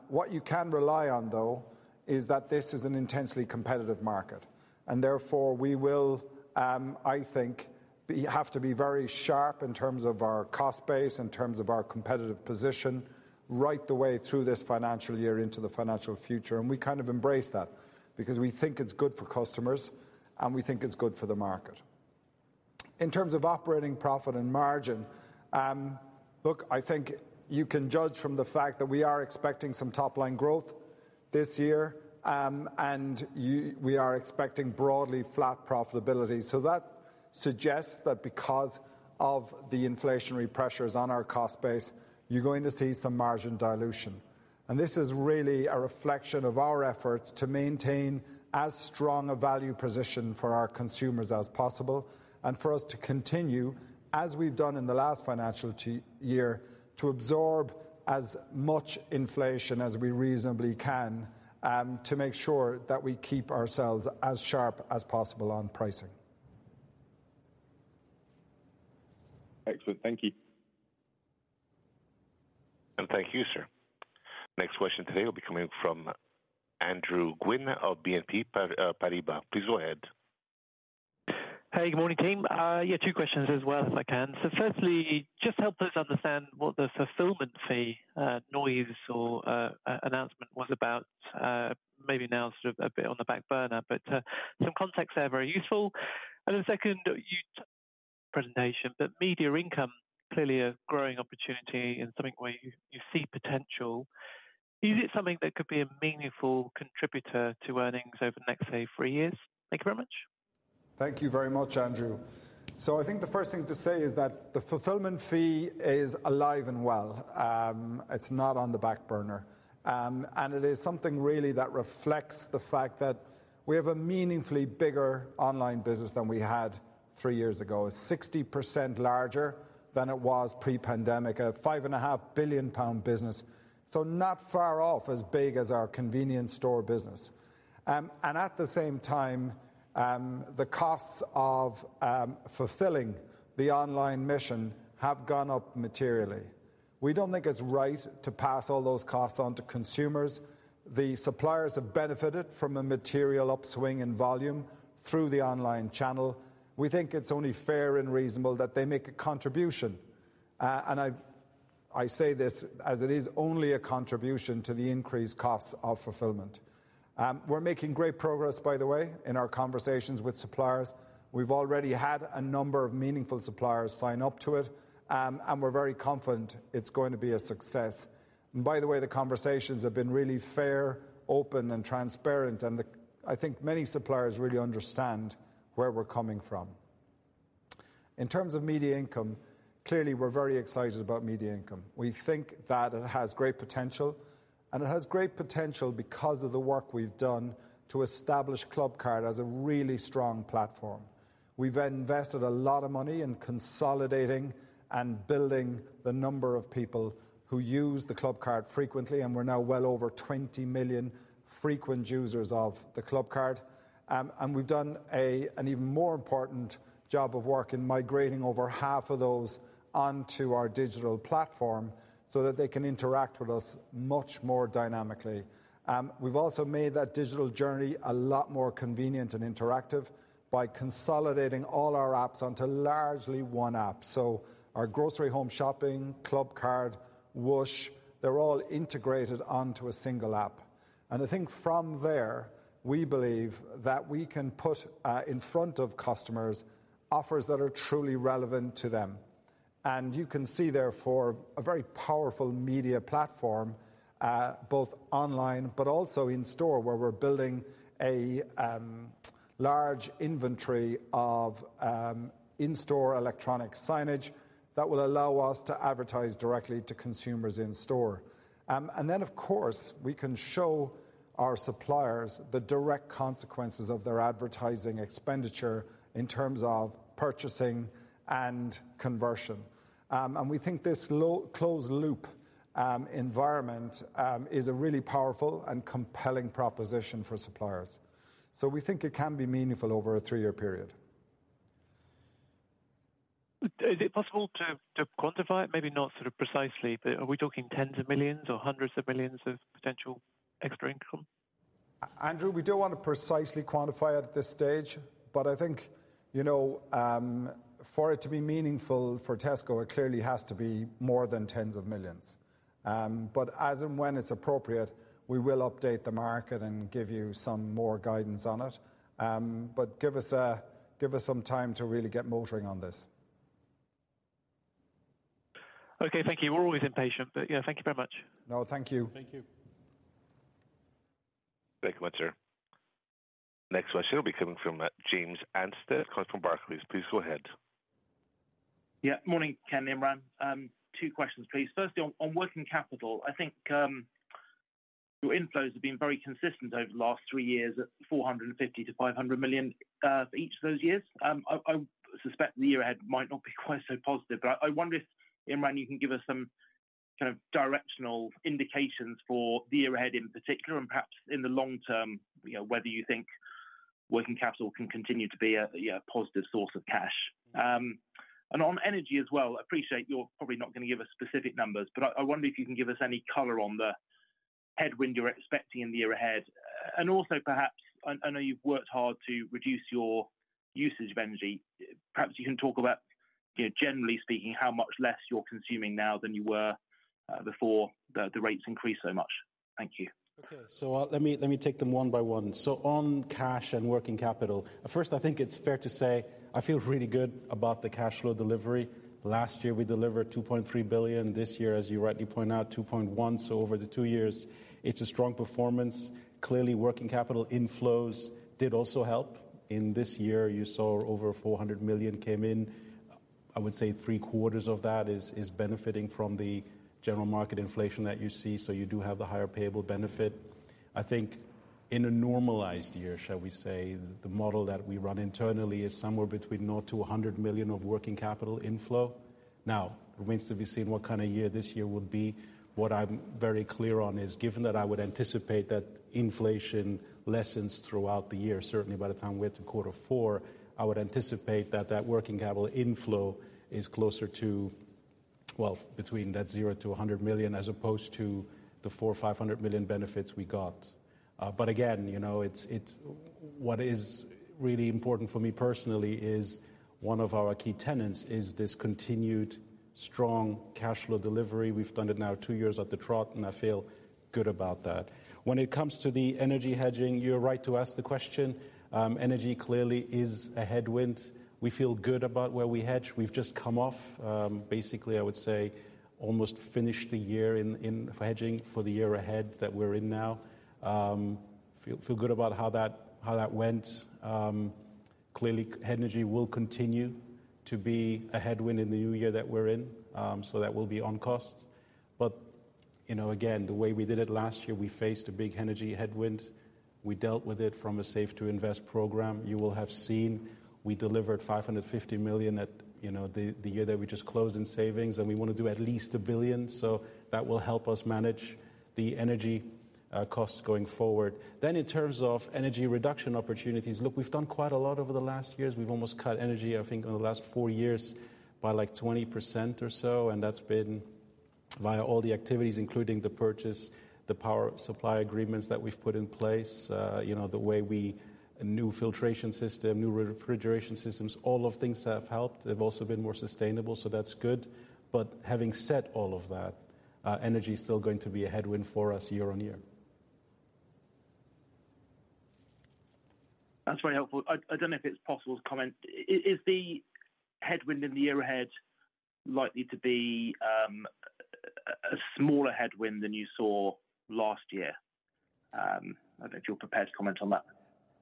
What you can rely on though is that this is an intensely competitive market, and therefore we will, I think, have to be very sharp in terms of our cost base, in terms of our competitive position, right the way through this financial year into the financial future. We kind of embrace that because we think it's good for customers, and we think it's good for the market. In terms of operating profit and margin, look, I think you can judge from the fact that we are expecting some top-line growth this year, we are expecting broadly flat profitability. That suggests that because of the inflationary pressures on our cost base, you're going to see some margin dilution. This is really a reflection of our efforts to maintain as strong a value position for our consumers as possible and for us to continue, as we've done in the last financial year, to absorb as much inflation as we reasonably can, to make sure that we keep ourselves as sharp as possible on pricing. Excellent. Thank you. Thank you, sir. Next question today will be coming from Andrew Gwynn of BNP Paribas. Please go ahead. Hey, good morning, team. Yeah, two questions as well, if I can. Firstly, just help us understand what the fulfillment fee noise or announcement was about, maybe now sort of a bit on the back burner. Some context there very useful. The second. Thank you very much, Andrew. I think the first thing to say is that the fulfillment fee is alive and well. It's not on the back burner. It is something really that reflects the fact that we have a meaningfully bigger online business than we had 3 years ago, 60% larger than it was pre-pandemic, a 5.5 billion pound business. Not far off as big as our convenience store business. At the same time, the costs of fulfilling the online mission have gone up materially. We don't think it's right to pass all those costs on to consumers. The suppliers have benefited from a material upswing in volume through the online channel. We think it's only fair and reasonable that they make a contribution. I say this as it is only a contribution to the increased costs of fulfillment. We're making great progress, by the way, in our conversations with suppliers. We've already had a number of meaningful suppliers sign up to it. We're very confident it's going to be a success. By the way, the conversations have been really fair, open and transparent, and I think many suppliers really understand where we're coming from. In terms of media income, clearly, we're very excited about media income. We think that it has great potential, and it has great potential because of the work we've done to establish Clubcard as a really strong platform. We've invested a lot of money in consolidating and building the number of people who use the Clubcard frequently, and we're now well over 20 million frequent users of the Clubcard. We've done a, an even more important job of work in migrating over half of those onto our digital platform so that they can interact with us much more dynamically. We've also made that digital journey a lot more convenient and interactive by consolidating all our apps onto largely one app. Our Grocery Home Shopping, Clubcard, Whoosh, they're all integrated onto a single app. I think from there, we believe that we can put in front of customers offers that are truly relevant to them. You can see therefore, a very powerful media platform, both online but also in store where we're building a large inventory of in-store electronic signage that will allow us to advertise directly to consumers in store. Of course, we can show our suppliers the direct consequences of their advertising expenditure in terms of purchasing and conversion. We think this closed loop environment is a really powerful and compelling proposition for suppliers. We think it can be meaningful over a three-year period. Is it possible to quantify it? Maybe not sort of precisely, but are we talking tens of millions or hundreds of millions of potential extra income? Andrew, we don't want to precisely quantify it at this stage, but I think, you know, for it to be meaningful for Tesco, it clearly has to be more than tens of millions. As and when it's appropriate, we will update the market and give you some more guidance on it. Give us some time to really get motoring on this. Okay. Thank you. We're always impatient. Yeah, thank you very much. No, thank you. Thank you. Thank you, sir. Next question will be coming from James Anstead, calling from Barclays. Please go ahead. Yeah. Morning, Ken, Imran. Two questions, please. Firstly, on working capital. I think, your inflows have been very consistent over the last three years at 450 million-500 million for each of those years. I suspect the year ahead might not be quite so positive, but I wonder if, Imran, you can give us some kind of directional indications for the year ahead in particular and perhaps in the long term, you know, whether you think working capital can continue to be a positive source of cash. On energy as well, appreciate you're probably not gonna give us specific numbers, but I wonder if you can give us any color on the headwind you're expecting in the year ahead. I know you've worked hard to reduce your usage of energy. Perhaps you can talk about, you know, generally speaking, how much less you're consuming now than you were before the rates increased so much. Thank you. Okay. Let me take them one by one. On cash and working capital. First, I think it's fair to say I feel really good about the cash flow delivery. Last year, we delivered 2.3 billion. This year, as you rightly point out, 2.1 billion. Over the 2 years, it's a strong performance. Clearly, working capital inflows did also help. In this year, you saw over 400 million came in. I would say three-quarters of that is benefiting from the general market inflation that you see. You do have the higher payable benefit. I think in a normalized year, shall we say, the model that we run internally is somewhere between 0-100 million of working capital inflow. It remains to be seen what kind of year this year will be. What I'm very clear on is, given that I would anticipate that inflation lessens throughout the year, certainly by the time we get to quarter four, I would anticipate that that working capital inflow is closer to Well, between that 0-100 million as opposed to the 400 million-500 million benefits we got. Again, you know, it's what is really important for me personally is one of our key tenants is this continued strong cash flow delivery. We've done it now 2 years at the trot, I feel good about that. When it comes to the energy hedging, you're right to ask the question. Energy clearly is a headwind. We feel good about where we hedge. We've just come off, basically I would say almost finished the year in hedging for the year ahead that we're in now. Feel good about how that, how that went. Clearly energy will continue to be a headwind in the new year that we're in. That will be on cost. You know, again, the way we did it last year, we faced a big energy headwind. We dealt with it from a Save to Invest program. You will have seen, we delivered 550 million at, you know, the year that we just closed in savings, and we wanna do at least 1 billion. That will help us manage the energy costs going forward. In terms of energy reduction opportunities, look, we've done quite a lot over the last years. We've almost cut energy, I think in the last 4 years by like 20% or so. That's been via all the activities, including the purchase, the power supply agreements that we've put in place. You know, a new filtration system, new refrigeration systems, all of things have helped. They've also been more sustainable, so that's good. Having said all of that, energy is still going to be a headwind for us year-on-year. That's very helpful. I don't know if it's possible to comment. Is the headwind in the year ahead likely to be a smaller headwind than you saw last year? I don't know if you're prepared to comment on that.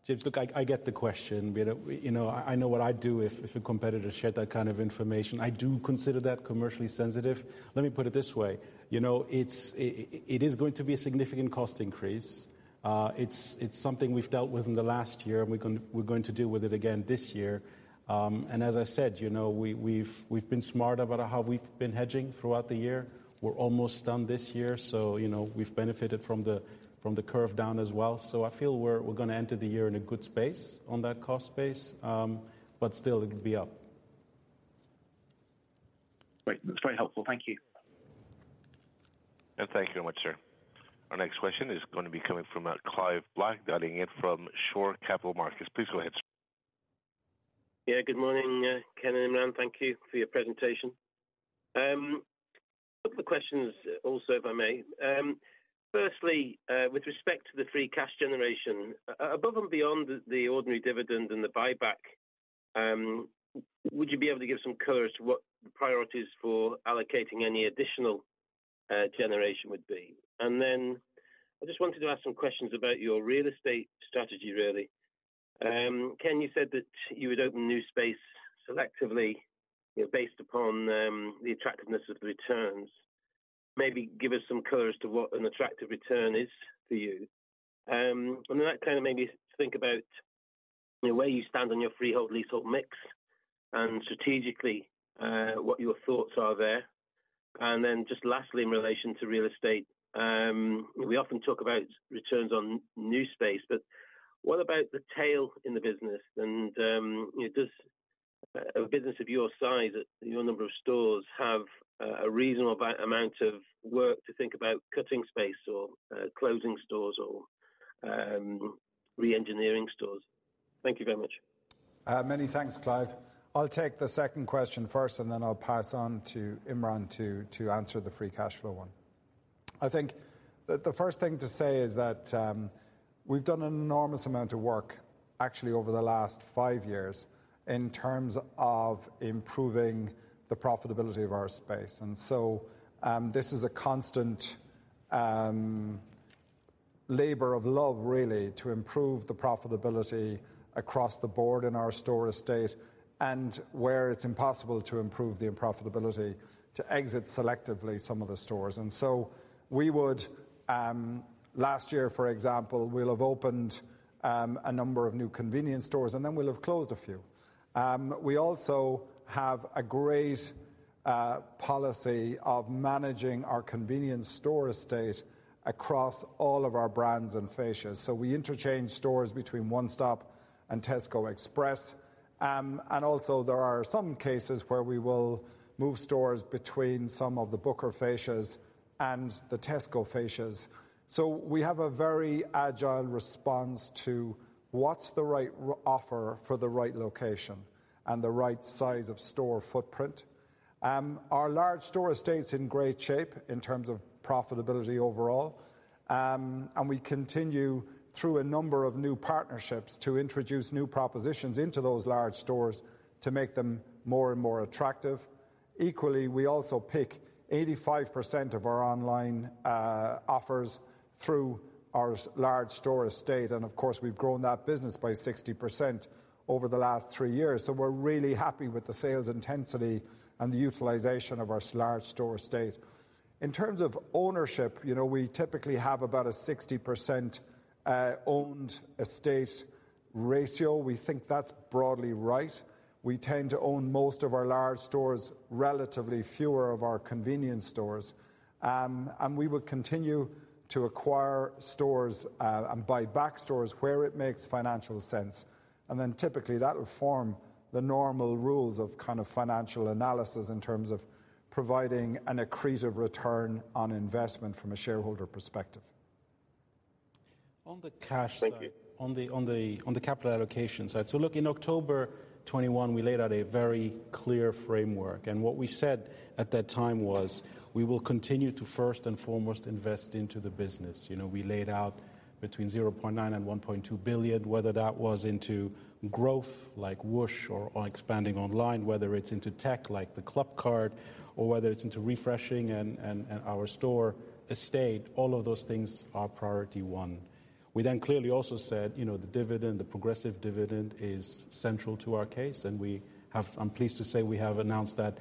James, look, I get the question. You know, I know what I'd do if a competitor shared that kind of information. I do consider that commercially sensitive. Let me put it this way. You know, it is going to be a significant cost increase. It's something we've dealt with in the last year and we're going to deal with it again this year. As I said, you know, we've been smart about how we've been hedging throughout the year. We're almost done this year, you know, we've benefited from the curve down as well. I feel we're gonna enter the year in a good space on that cost space, still it'll be up. Great. That's very helpful. Thank you. Thank you very much, sir. Our next question is going to be coming from Clive Black dialing in from Shore Capital Markets. Please go ahead, sir. Good morning, Ken and Imran. Thank you for your presentation. A couple of questions also, if I may. Firstly, with respect to the free cash generation, above and beyond the ordinary dividend and the buyback, would you be able to give some color as to what the priorities for allocating any additional generation would be? I just wanted to ask some questions about your real estate strategy, really. Ken, you said that you would open new space selectively, you know, based upon the attractiveness of the returns. Maybe give us some color as to what an attractive return is to you. That kind of made me think about, you know, where you stand on your freehold leasehold mix and strategically what your thoughts are there. Just lastly, in relation to real estate, we often talk about returns on new space, but what about the tail in the business? You know, does a business of your size at your number of stores have a reasonable amount of work to think about cutting space or closing stores or re-engineering stores? Thank you very much. Many thanks, Clive. I'll take the second question first, and then I'll pass on to Imran to answer the free cash flow one. I think the first thing to say is that we've done an enormous amount of work actually over the last five years in terms of improving the profitability of our space. This is a constant labor of love really, to improve the profitability across the board in our store estate and where it's impossible to improve the profitability to exit selectively some of the stores. We would last year, for example, we'll have opened a number of new convenience stores, and then we'll have closed a few. We also have a great policy of managing our convenience store estate across all of our brands and fascias. We interchange stores between One Stop and Tesco Express. Also there are some cases where we will move stores between some of the Booker fascias and the Tesco fascias. We have a very agile response to what's the right offer for the right location and the right size of store footprint. Our large store estate's in great shape in terms of profitability overall. We continue through a number of new partnerships to introduce new propositions into those large stores to make them more and more attractive. Equally, we also pick 85% of our online offers through our large store estate. Of course, we've grown that business by 60% over the last three years. We're really happy with the sales intensity and the utilization of our large store estate. In terms of ownership, you know, we typically have about a 60% owned estate ratio. We think that's broadly right. We tend to own most of our large stores, relatively fewer of our convenience stores. We will continue to acquire stores and buy back stores where it makes financial sense. Typically that will form the normal rules of kind of financial analysis in terms of providing an accretive ROI from a shareholder perspective. On the cash side- Thank you. on the capital allocation side. Look, in October 2021, we laid out a very clear framework. What we said at that time was, we will continue to first and foremost invest into the business. You know, we laid out between 0.9 billion and 1.2 billion, whether that was into growth like Whoosh or expanding online, whether it's into tech like the Clubcard, or whether it's into refreshing and our store estate, all of those things are priority 1. We then clearly also said, you know, the dividend, the progressive dividend is central to our case. I'm pleased to say we have announced that,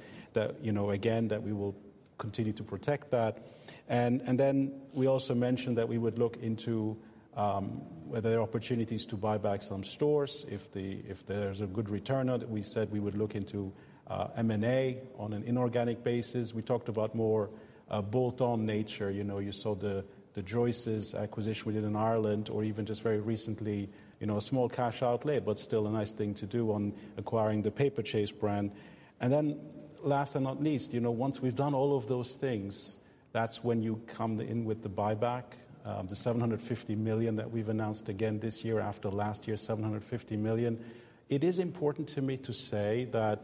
you know, again, that we will continue to protect that. Then we also mentioned that we would look into whether there are opportunities to buy back some stores if there's a good return on it. We said we would look into M&A on an inorganic basis. We talked about more bolt-on nature. You know, you saw the Joyce's acquisition we did in Ireland or even just very recently, you know, a small cash outlet, but still a nice thing to do on acquiring the Paperchase brand. Last and not least, you know, once we've done all of those things, that's when you come in with the buyback, the 750 million that we've announced again this year after last year's 750 million. It is important to me to say that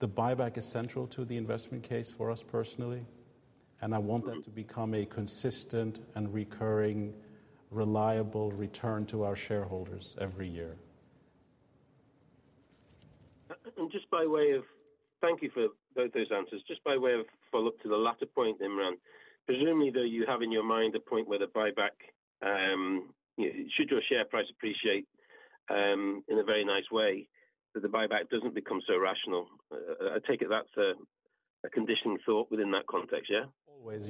the buyback is central to the investment case for us personally, and I want that to become a consistent and recurring, reliable return to our shareholders every year. Thank you for those answers. Just by way of follow-up to the latter point, Imran, presumably though, you have in your mind a point where the buyback, should your share price appreciate, in a very nice way that the buyback doesn't become so rational? I take it that's a conditioning thought within that context, yeah? Always.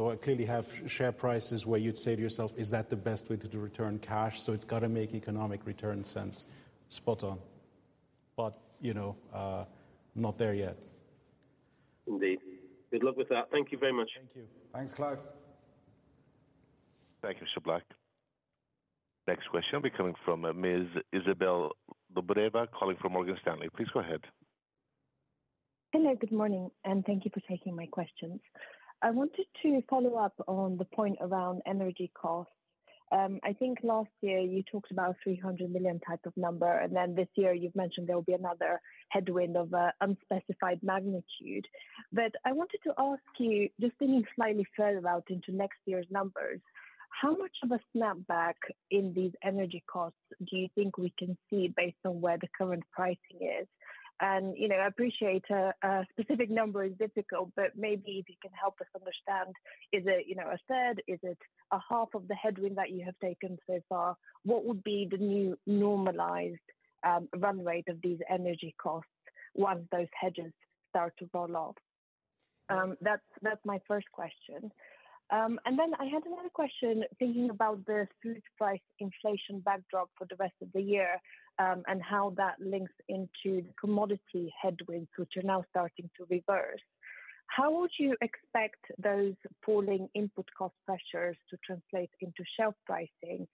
I clearly have share prices where you'd say to yourself, "Is that the best way to return cash?" It's got to make economic return sense. Spot on. You know, not there yet. Indeed. Good luck with that. Thank you very much. Thank you. Thanks, Clive. Thank you, Mr. Black. Next question will be coming from Ms. Izabel Dobreva calling from Morgan Stanley. Please go ahead. Hello, good morning. Thank you for taking my questions. I wanted to follow up on the point around energy costs. I think last year you talked about 300 million type of number. Then this year you've mentioned there will be another headwind of unspecified magnitude. I wanted to ask you, just thinking slightly further out into next year's numbers, how much of a snapback in these energy costs do you think we can see based on where the current pricing is? You know, I appreciate a specific number is difficult, but maybe if you can help us understand, is it, you know, a third? Is it a half of the headwind that you have taken so far? What would be the new normalized run rate of these energy costs once those hedges start to fall off? That's my 1st question. I had another question thinking about the food price inflation backdrop for the rest of the year, and how that links into the commodity headwinds, which are now starting to reverse. How would you expect those falling input cost pressures to translate into shelf pricing?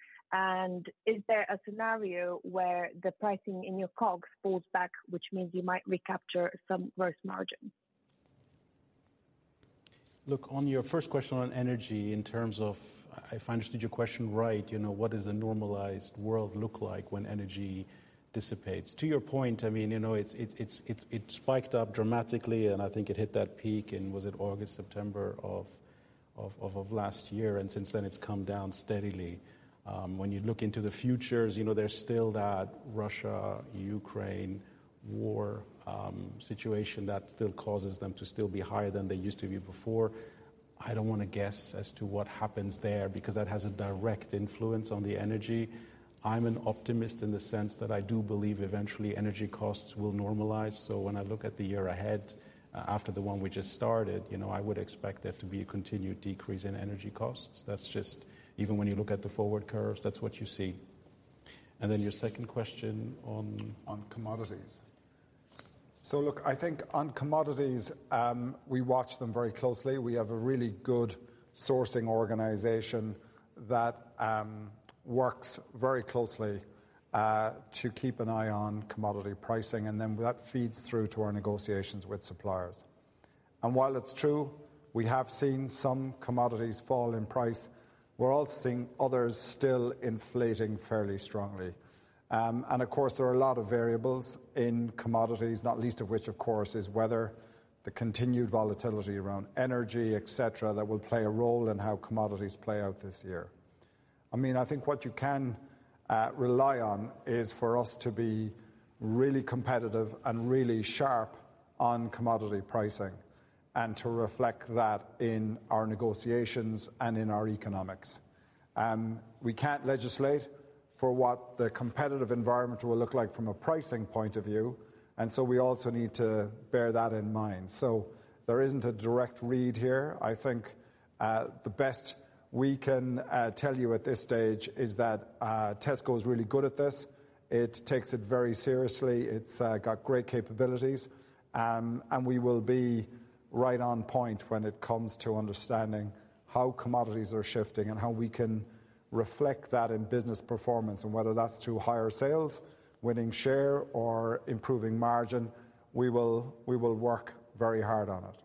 Is there a scenario where the pricing in your COGS falls back, which means you might recapture some gross margin? Look, on your first question on energy, in terms of if I understood your question right, you know, what does a normalized world look like when energy dissipates? To your point, I mean, you know, it spiked up dramatically and I think it hit that peak in, was it August, September of last year. Since then it's come down steadily. When you look into the futures, you know, there's still that Russia, Ukraine war, situation that still causes them to still be higher than they used to be before. I don't wanna guess as to what happens there because that has a direct influence on the energy. I'm an optimist in the sense that I do believe eventually energy costs will normalize. When I look at the year ahead, after the one we just started, you know, I would expect there to be a continued decrease in energy costs. That's just even when you look at the forward curves, that's what you see. Your second question. On commodities. Look, I think on commodities, we watch them very closely. We have a really good sourcing organization that works very closely to keep an eye on commodity pricing, and then that feeds through to our negotiations with suppliers. While it's true, we have seen some commodities fall in price, we're also seeing others still inflating fairly strongly. Of course, there are a lot of variables in commodities, not least of which, of course, is weather, the continued volatility around energy, etc., that will play a role in how commodities play out this year. I mean, I think what you can rely on is for us to be really competitive and really sharp on commodity pricing and to reflect that in our negotiations and in our economics. We can't legislate for what the competitive environment will look like from a pricing point of view, we also need to bear that in mind. There isn't a direct read here. I think, the best we can tell you at this stage is that Tesco is really good at this. It takes it very seriously. It's got great capabilities. We will be right on point when it comes to understanding how commodities are shifting and how we can reflect that in business performance and whether that's through higher sales, winning share or improving margin. We will work very hard on it.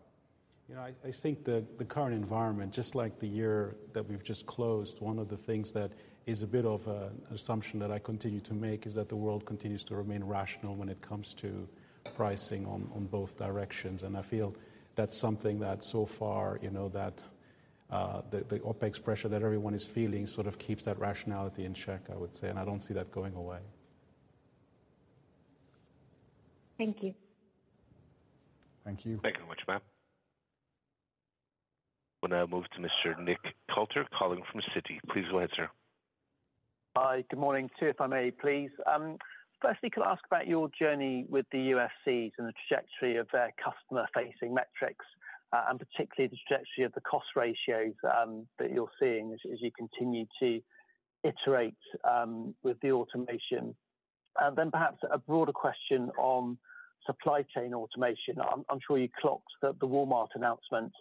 You know, I think that the current environment, just like the year that we've just closed, one of the things that is a bit of a assumption that I continue to make is that the world continues to remain rational when it comes to pricing on both directions. I feel that's something that so far, you know, that the OPEX pressure that everyone is feeling sort of keeps that rationality in check, I would say, and I don't see that going away. Thank you. Thank you. Thank you very much, ma'am. We'll now move to Mr. Nick Coulter calling from Citi. Please go ahead, sir. Hi, good morning. Two, if I may please. Firstly, can I ask about your journey with the UFCs and the trajectory of their customer-facing metrics, and particularly the trajectory of the cost ratios that you're seeing as you continue to iterate with the automation? Then perhaps a broader question on supply chain automation. I'm sure you clocked the Walmart announcement.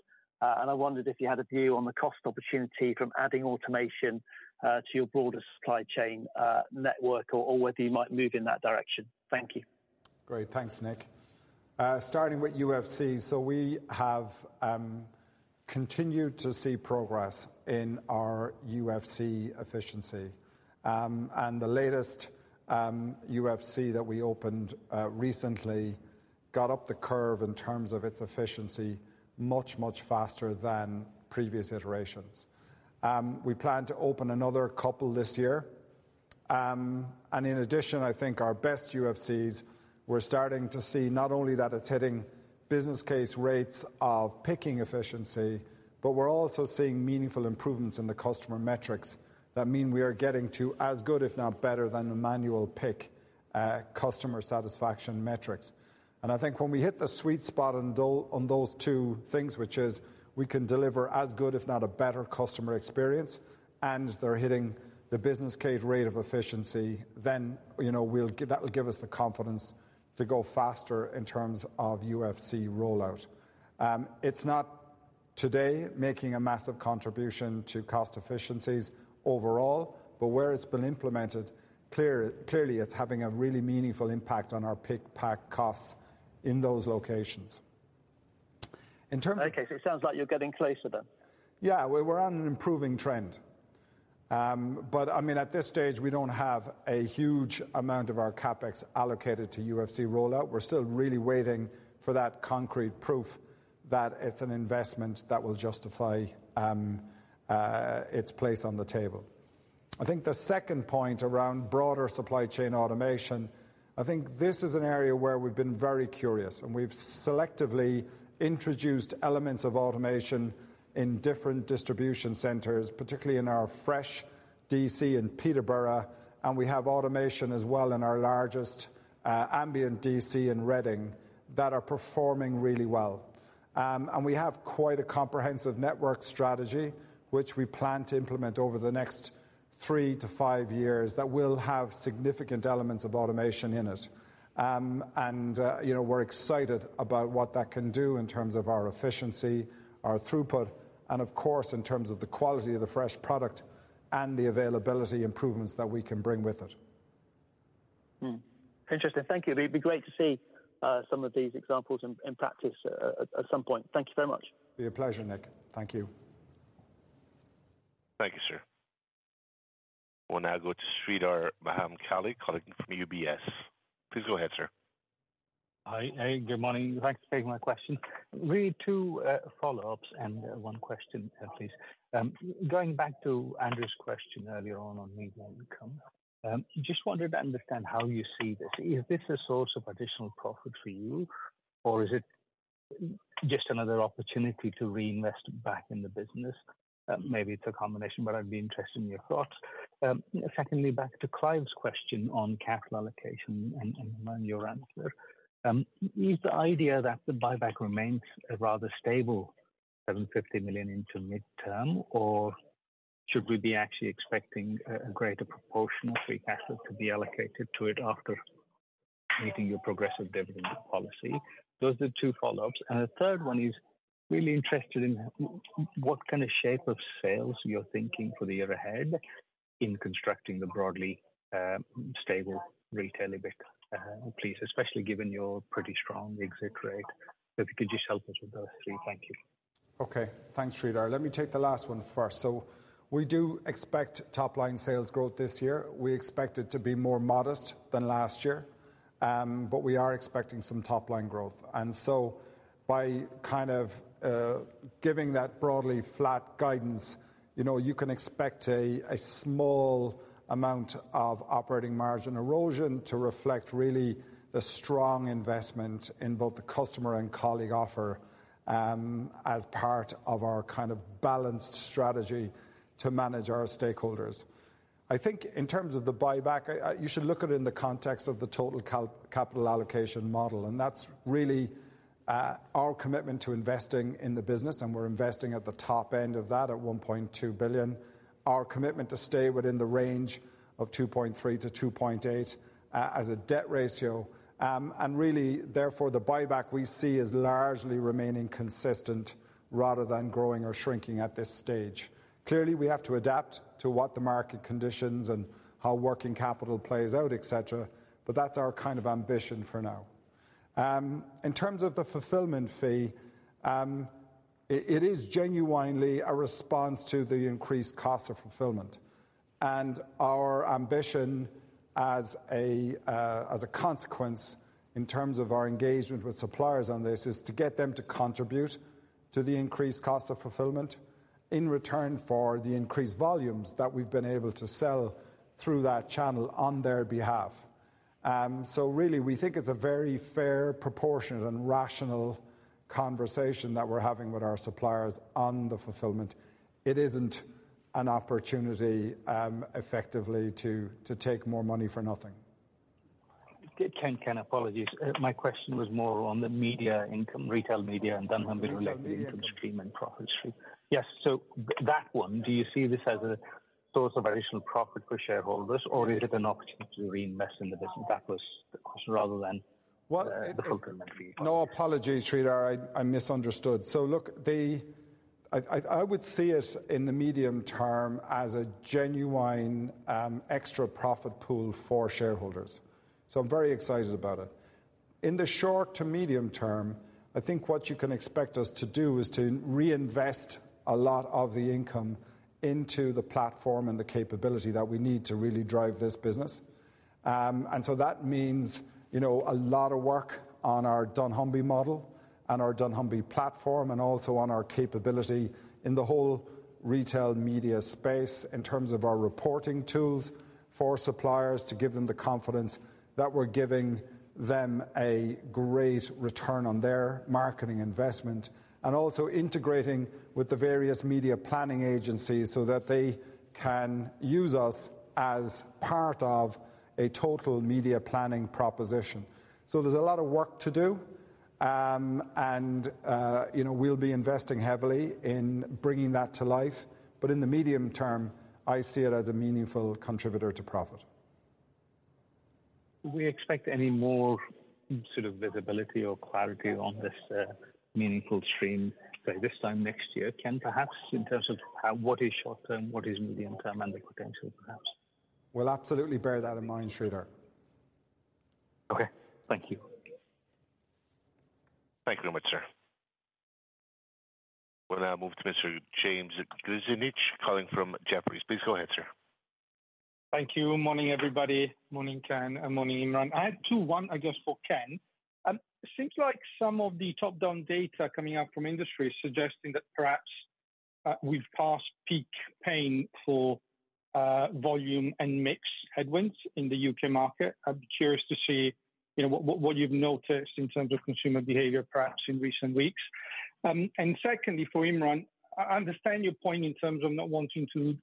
I wondered if you had a view on the cost opportunity from adding automation to your broader supply chain network or whether you might move in that direction. Thank you. Great. Thanks, Nick. Starting with UFC. We have continued to see progress in our UFC efficiency. The latest UFC that we opened recently got up the curve in terms of its efficiency much, much faster than previous iterations. We plan to open another 2 this year. In addition, I think our best UFCs, we're starting to see not only that it's hitting business case rates of picking efficiency, but we're also seeing meaningful improvements in the customer metrics that mean we are getting to as good, if not better, than the manual pick customer satisfaction metrics. I think when we hit the sweet spot on those two things, which is we can deliver as good if not a better customer experience, and they're hitting the business case rate of efficiency, then, you know, that will give us the confidence to go faster in terms of UFC rollout. It's not today making a massive contribution to cost efficiencies overall, but where it's been implemented, clearly, it's having a really meaningful impact on our pick pack costs in those locations. In terms. It sounds like you're getting closer then. Yeah. We're on an improving trend. I mean, at this stage, we don't have a huge amount of our CapEx allocated to UFC rollout. We're still really waiting for that concrete proof that it's an investment that will justify its place on the table. I think the second point around broader supply chain automation, I think this is an area where we've been very curious. We've selectively introduced elements of automation in different distribution centers, particularly in our fresh DC in Peterborough. We have automation as well in our largest ambient DC in Reading that are performing really well. We have quite a comprehensive network strategy, which we plan to implement over the next 3-5 years that will have significant elements of automation in it. You know, we're excited about what that can do in terms of our efficiency, our throughput, and of course, in terms of the quality of the fresh product and the availability improvements that we can bring with it. Interesting. Thank you. It'd be great to see some of these examples in practice at some point. Thank you very much. Be a pleasure, Nick. Thank you. Thank you, sir. We'll now go to Sreedhar Mahamkali calling from UBS. Please go ahead, sir. Hi. Hey, good morning. Thanks for taking my question. Really two follow-ups and one question please. Going back to Andrew's question earlier on media income. Just wanted to understand how you see this. Is this a source of additional profit for you, or is it just another opportunity to reinvest back in the business? Maybe it's a combination, but I'd be interested in your thoughts. Secondly, back to Clive's question on capital allocation and your answer, is the idea that the buyback remains a rather stable 750 million into midterm, or should we be actually expecting a greater proportion of free capital to be allocated to it after meeting your progressive dividend policy? Those are the two follow-ups. The third one is really interested in what kind of shape of sales you're thinking for the year ahead in constructing the broadly, stable retail EBIT, please, especially given your pretty strong exit rate. If you could just help us with those three. Thank you. Okay. Thanks, Sreedhar. Let me take the last one first. We do expect top-line sales growth this year. We expect it to be more modest than last year, but we are expecting some top-line growth. by kind of giving that broadly flat guidance, you know, you can expect a small amount of operating margin erosion to reflect really the strong investment in both the customer and colleague offer, as part of our kind of balanced strategy to manage our stakeholders. I think in terms of the buyback, you should look at it in the context of the total capital allocation model, and that's really our commitment to investing in the business, and we're investing at the top end of that at 1.2 billion. Our commitment to stay within the range of 2.3-2.8 as a debt ratio. Really therefore, the buyback we see is largely remaining consistent rather than growing or shrinking at this stage. Clearly, we have to adapt to what the market conditions and how working capital plays out, et cetera, but that's our kind of ambition for now. In terms of the fulfillment fee, it is genuinely a response to the increased cost of fulfillment. Our ambition as a consequence in terms of our engagement with suppliers on this is to get them to contribute to the increased cost of fulfillment in return for the increased volumes that we've been able to sell through that channel on their behalf. Really we think it's a very fair, proportionate, and rational conversation that we're having with our suppliers on the fulfillment. It isn't an opportunity, effectively to take more money for nothing. Ken, apologies. My question was more on the media income, retail media, and dunnhumby related income stream and profit stream. Yes. That one, do you see this as a source of additional profit for shareholders, or is it an opportunity to reinvest in the business? That was the question rather than the fulfillment fee. Apologies, Sreedhar. I misunderstood. I would see it in the medium term as a genuine extra profit pool for shareholders. I'm very excited about it. In the short to medium term, I think what you can expect us to do is to reinvest a lot of the income into the platform and the capability that we need to really drive this business. That means, you know, a lot of work on our dunnhumby model and our dunnhumby platform, and also on our capability in the whole retail media space in terms of our reporting tools for suppliers to give them the confidence that we're giving them a great return on their marketing investment. Also integrating with the various media planning agencies so that they can use us as part of a total media planning proposition. There's a lot of work to do. You know, we'll be investing heavily in bringing that to life. In the medium term, I see it as a meaningful contributor to profit. Would we expect any more sort of visibility or clarity on this, meaningful stream by this time next year, Ken, perhaps in terms of how, what is short term, what is medium term, and the potential perhaps? We'll absolutely bear that in mind, Sreedhar. Okay. Thank you. Thank you very much, sir. We'll now move to Mr. James Grzinic calling from Jefferies. Please go ahead, sir. Thank you. Morning, everybody. Morning, Ken. Morning, Imran. I have two. One, I guess, for Ken. Seems like some of the top-down data coming out from industry is suggesting that perhaps we've passed peak pain for volume and mix headwinds in the U.K. market. I'd be curious to see, you know, what you've noticed in terms of consumer behavior perhaps in recent weeks. Secondly, for Imran, I understand your point in terms of not wanting to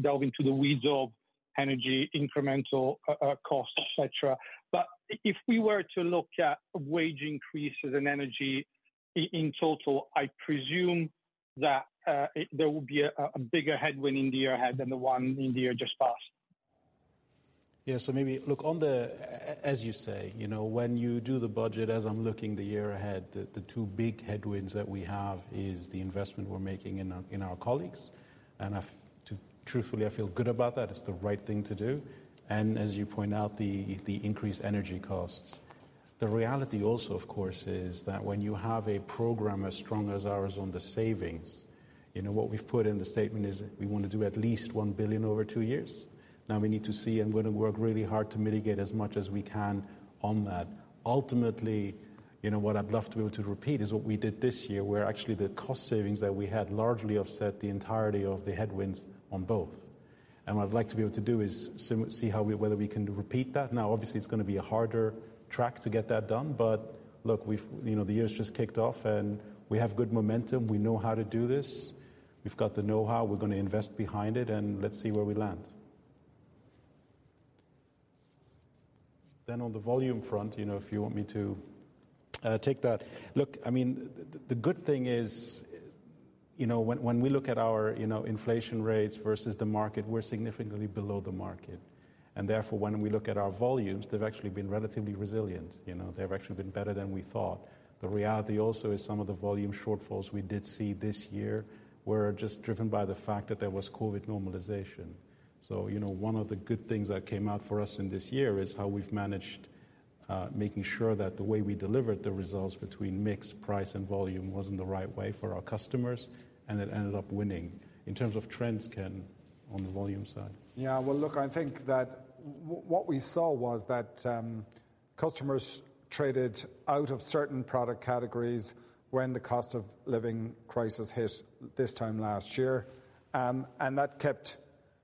delve into the weeds of energy incremental costs, et cetera. If we were to look at wage increases and energy in total, I presume that there will be a bigger headwind in the year ahead than the one in the year just passed. Maybe look on the, as you say, you know, when you do the budget, as I'm looking the year ahead, the two big headwinds that we have is the investment we're making in our colleagues. Truthfully, I feel good about that. It's the right thing to do. As you point out, the increased energy costs. The reality also, of course, is that when you have a program as strong as ours on the savings, you know, what we've put in the statement is we want to do at least 1 billion over 2 years. We need to see and we're going to work really hard to mitigate as much as we can on that. Ultimately, you know, what I'd love to be able to repeat is what we did this year, where actually the cost savings that we had largely offset the entirety of the headwinds on both. What I'd like to be able to do is see how, whether we can repeat that. Obviously, it's going to be a harder track to get that done. Look, we've, you know, the year's just kicked off and we have good momentum. We know how to do this. We've got the know-how, we're going to invest behind it, and let's see where we land. On the volume front, you know, if you want me to take that. Look, I mean, the good thing is, you know, when we look at our, you know, inflation rates versus the market, we're significantly below the market. Therefore, when we look at our volumes, they've actually been relatively resilient. You know? They've actually been better than we thought. The reality also is some of the volume shortfalls we did see this year were just driven by the fact that there was COVID normalization. You know, one of the good things that came out for us in this year is how we've managed making sure that the way we delivered the results between mix, price, and volume was in the right way for our customers, and it ended up winning. In terms of trends, Ken, on the volume side. Yeah. Well, look, I think that what we saw was that customers traded out of certain product categories when the cost of living crisis hit this time last year. That kept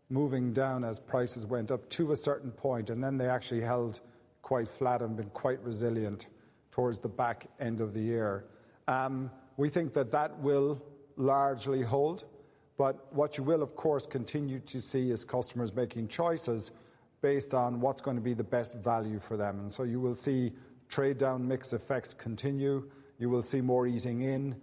moving down as prices went up to a certain point, and then they actually held quite flat and been quite resilient towards the back end of the year. We think that that will largely hold, but what you will of course continue to see is customers making choices based on what's going to be the best value for them. You will see trade down mix effects continue. You will see more easing in.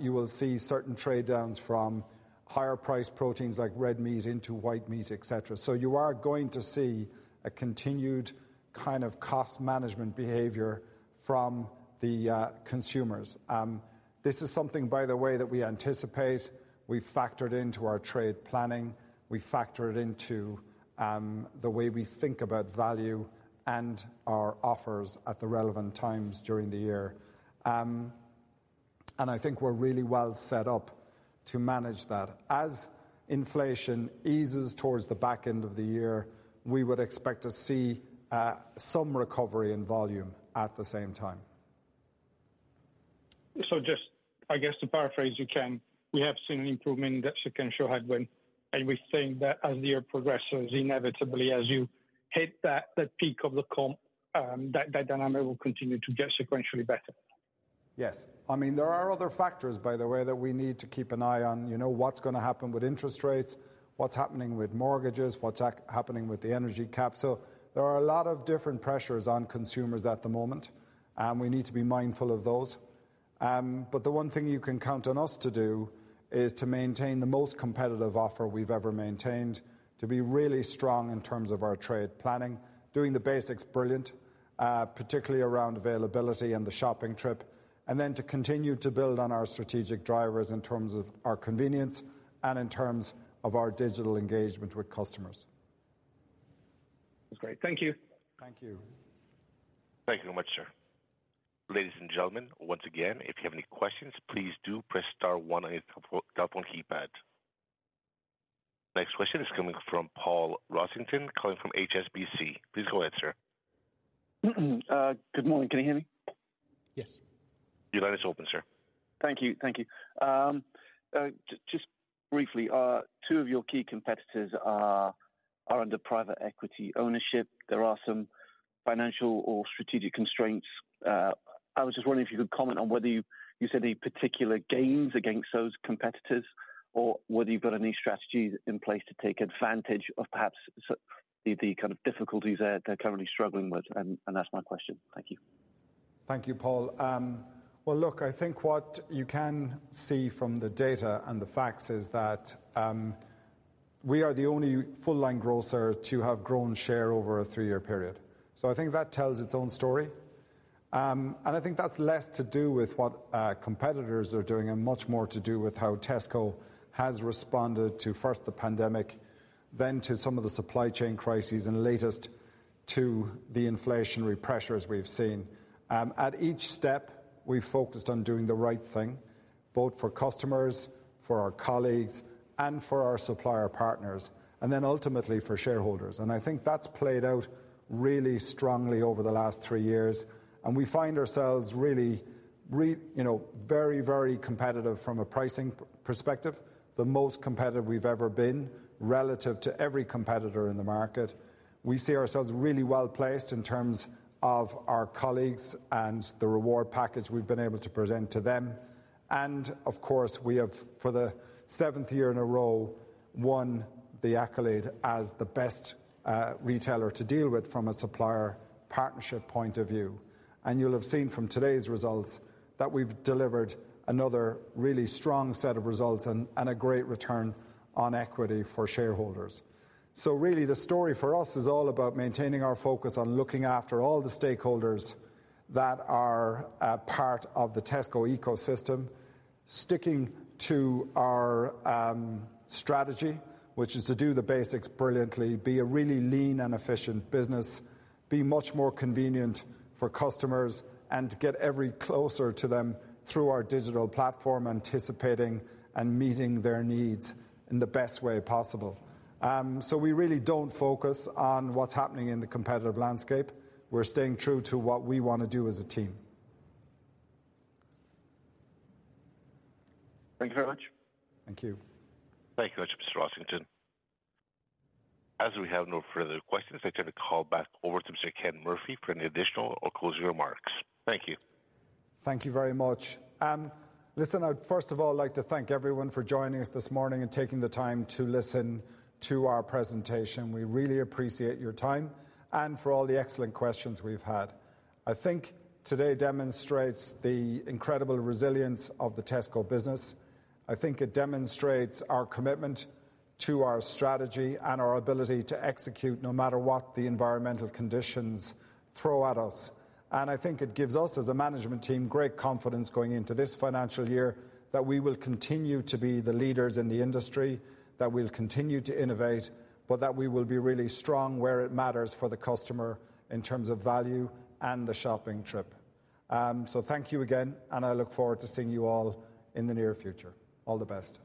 You will see certain trade downs from higher priced proteins like red meat into white meat, et cetera. You are going to see a continued kind of cost management behavior from the consumers. This is something, by the way, that we anticipate. We factor it into our trade planning. We factor it into the way we think about value and our offers at the relevant times during the year. I think we're really well set up to manage that. As inflation eases towards the back end of the year, we would expect to see some recovery in volume at the same time. Just, I guess, to paraphrase you, Ken, we have seen an improvement in that sequential headwind. Are we saying that as the year progresses, inevitably, as you hit that peak of the comp, that dynamic will continue to get sequentially better? I mean, there are other factors, by the way, that we need to keep an eye on. You know, what's gonna happen with interest rates, what's happening with mortgages, what's happening with the energy cap. There are a lot of different pressures on consumers at the moment, and we need to be mindful of those. The one thing you can count on us to do is to maintain the most competitive offer we've ever maintained, to be really strong in terms of our trade planning, doing the basics brilliant, particularly around availability and the shopping trip, then to continue to build on our strategic drivers in terms of our convenience and in terms of our digital engagement with customers. That's great. Thank you. Thank you. Thank you very much, sir. Ladies and gentlemen, once again, if you have any questions, please do press star one on your telephone keypad. Next question is coming from Paul Rossington, calling from HSBC. Please go ahead, sir. Good morning. Can you hear me? Yes. Your line is open, sir. Thank you. Thank you. Just briefly, two of your key competitors are under private equity ownership. There are some financial or strategic constraints. I was just wondering if you could comment on whether you see any particular gains against those competitors or whether you've got any strategies in place to take advantage of perhaps the kind of difficulties they're currently struggling with. That's my question. Thank you. Thank you, Paul. Well, look, I think what you can see from the data and the facts is that we are the only full-line grocer to have grown share over a three-year period. I think that tells its own story. I think that's less to do with what competitors are doing and much more to do with how Tesco has responded to, first, the pandemic, then to some of the supply chain crises and latest to the inflationary pressures we've seen. At each step, we focused on doing the right thing, both for customers, for our colleagues, and for our supplier partners, and then ultimately for shareholders. I think that's played out really strongly over the last three years. We find ourselves really, you know, very competitive from a pricing perspective, the most competitive we've ever been relative to every competitor in the market. We see ourselves really well-placed in terms of our colleagues and the reward package we've been able to present to them. Of course, we have, for the seventh year in a row, won the accolade as the best retailer to deal with from a supplier partnership point of view. You'll have seen from today's results that we've delivered another really strong set of results and a great return on equity for shareholders. Really, the story for us is all about maintaining our focus on looking after all the stakeholders that are part of the Tesco ecosystem, sticking to our strategy, which is to do the basics brilliantly, be a really lean and efficient business, be much more convenient for customers, and to get every closer to them through our digital platform, anticipating and meeting their needs in the best way possible. We really don't focus on what's happening in the competitive landscape. We're staying true to what we wanna do as a team. Thank you very much. Thank you. Thank you very much, Mr. Rossington. As we have no further questions, I turn the call back over to Mr. Ken Murphy for any additional or closing remarks. Thank you. Thank you very much. Listen, I'd first of all like to thank everyone for joining us this morning and taking the time to listen to our presentation. We really appreciate your time and for all the excellent questions we've had. I think today demonstrates the incredible resilience of the Tesco business. I think it demonstrates our commitment to our strategy and our ability to execute no matter what the environmental conditions throw at us. I think it gives us, as a management team, great confidence going into this financial year that we will continue to be the leaders in the industry, that we'll continue to innovate, but that we will be really strong where it matters for the customer in terms of value and the shopping trip. Thank you again, and I look forward to seeing you all in the near future. All the best.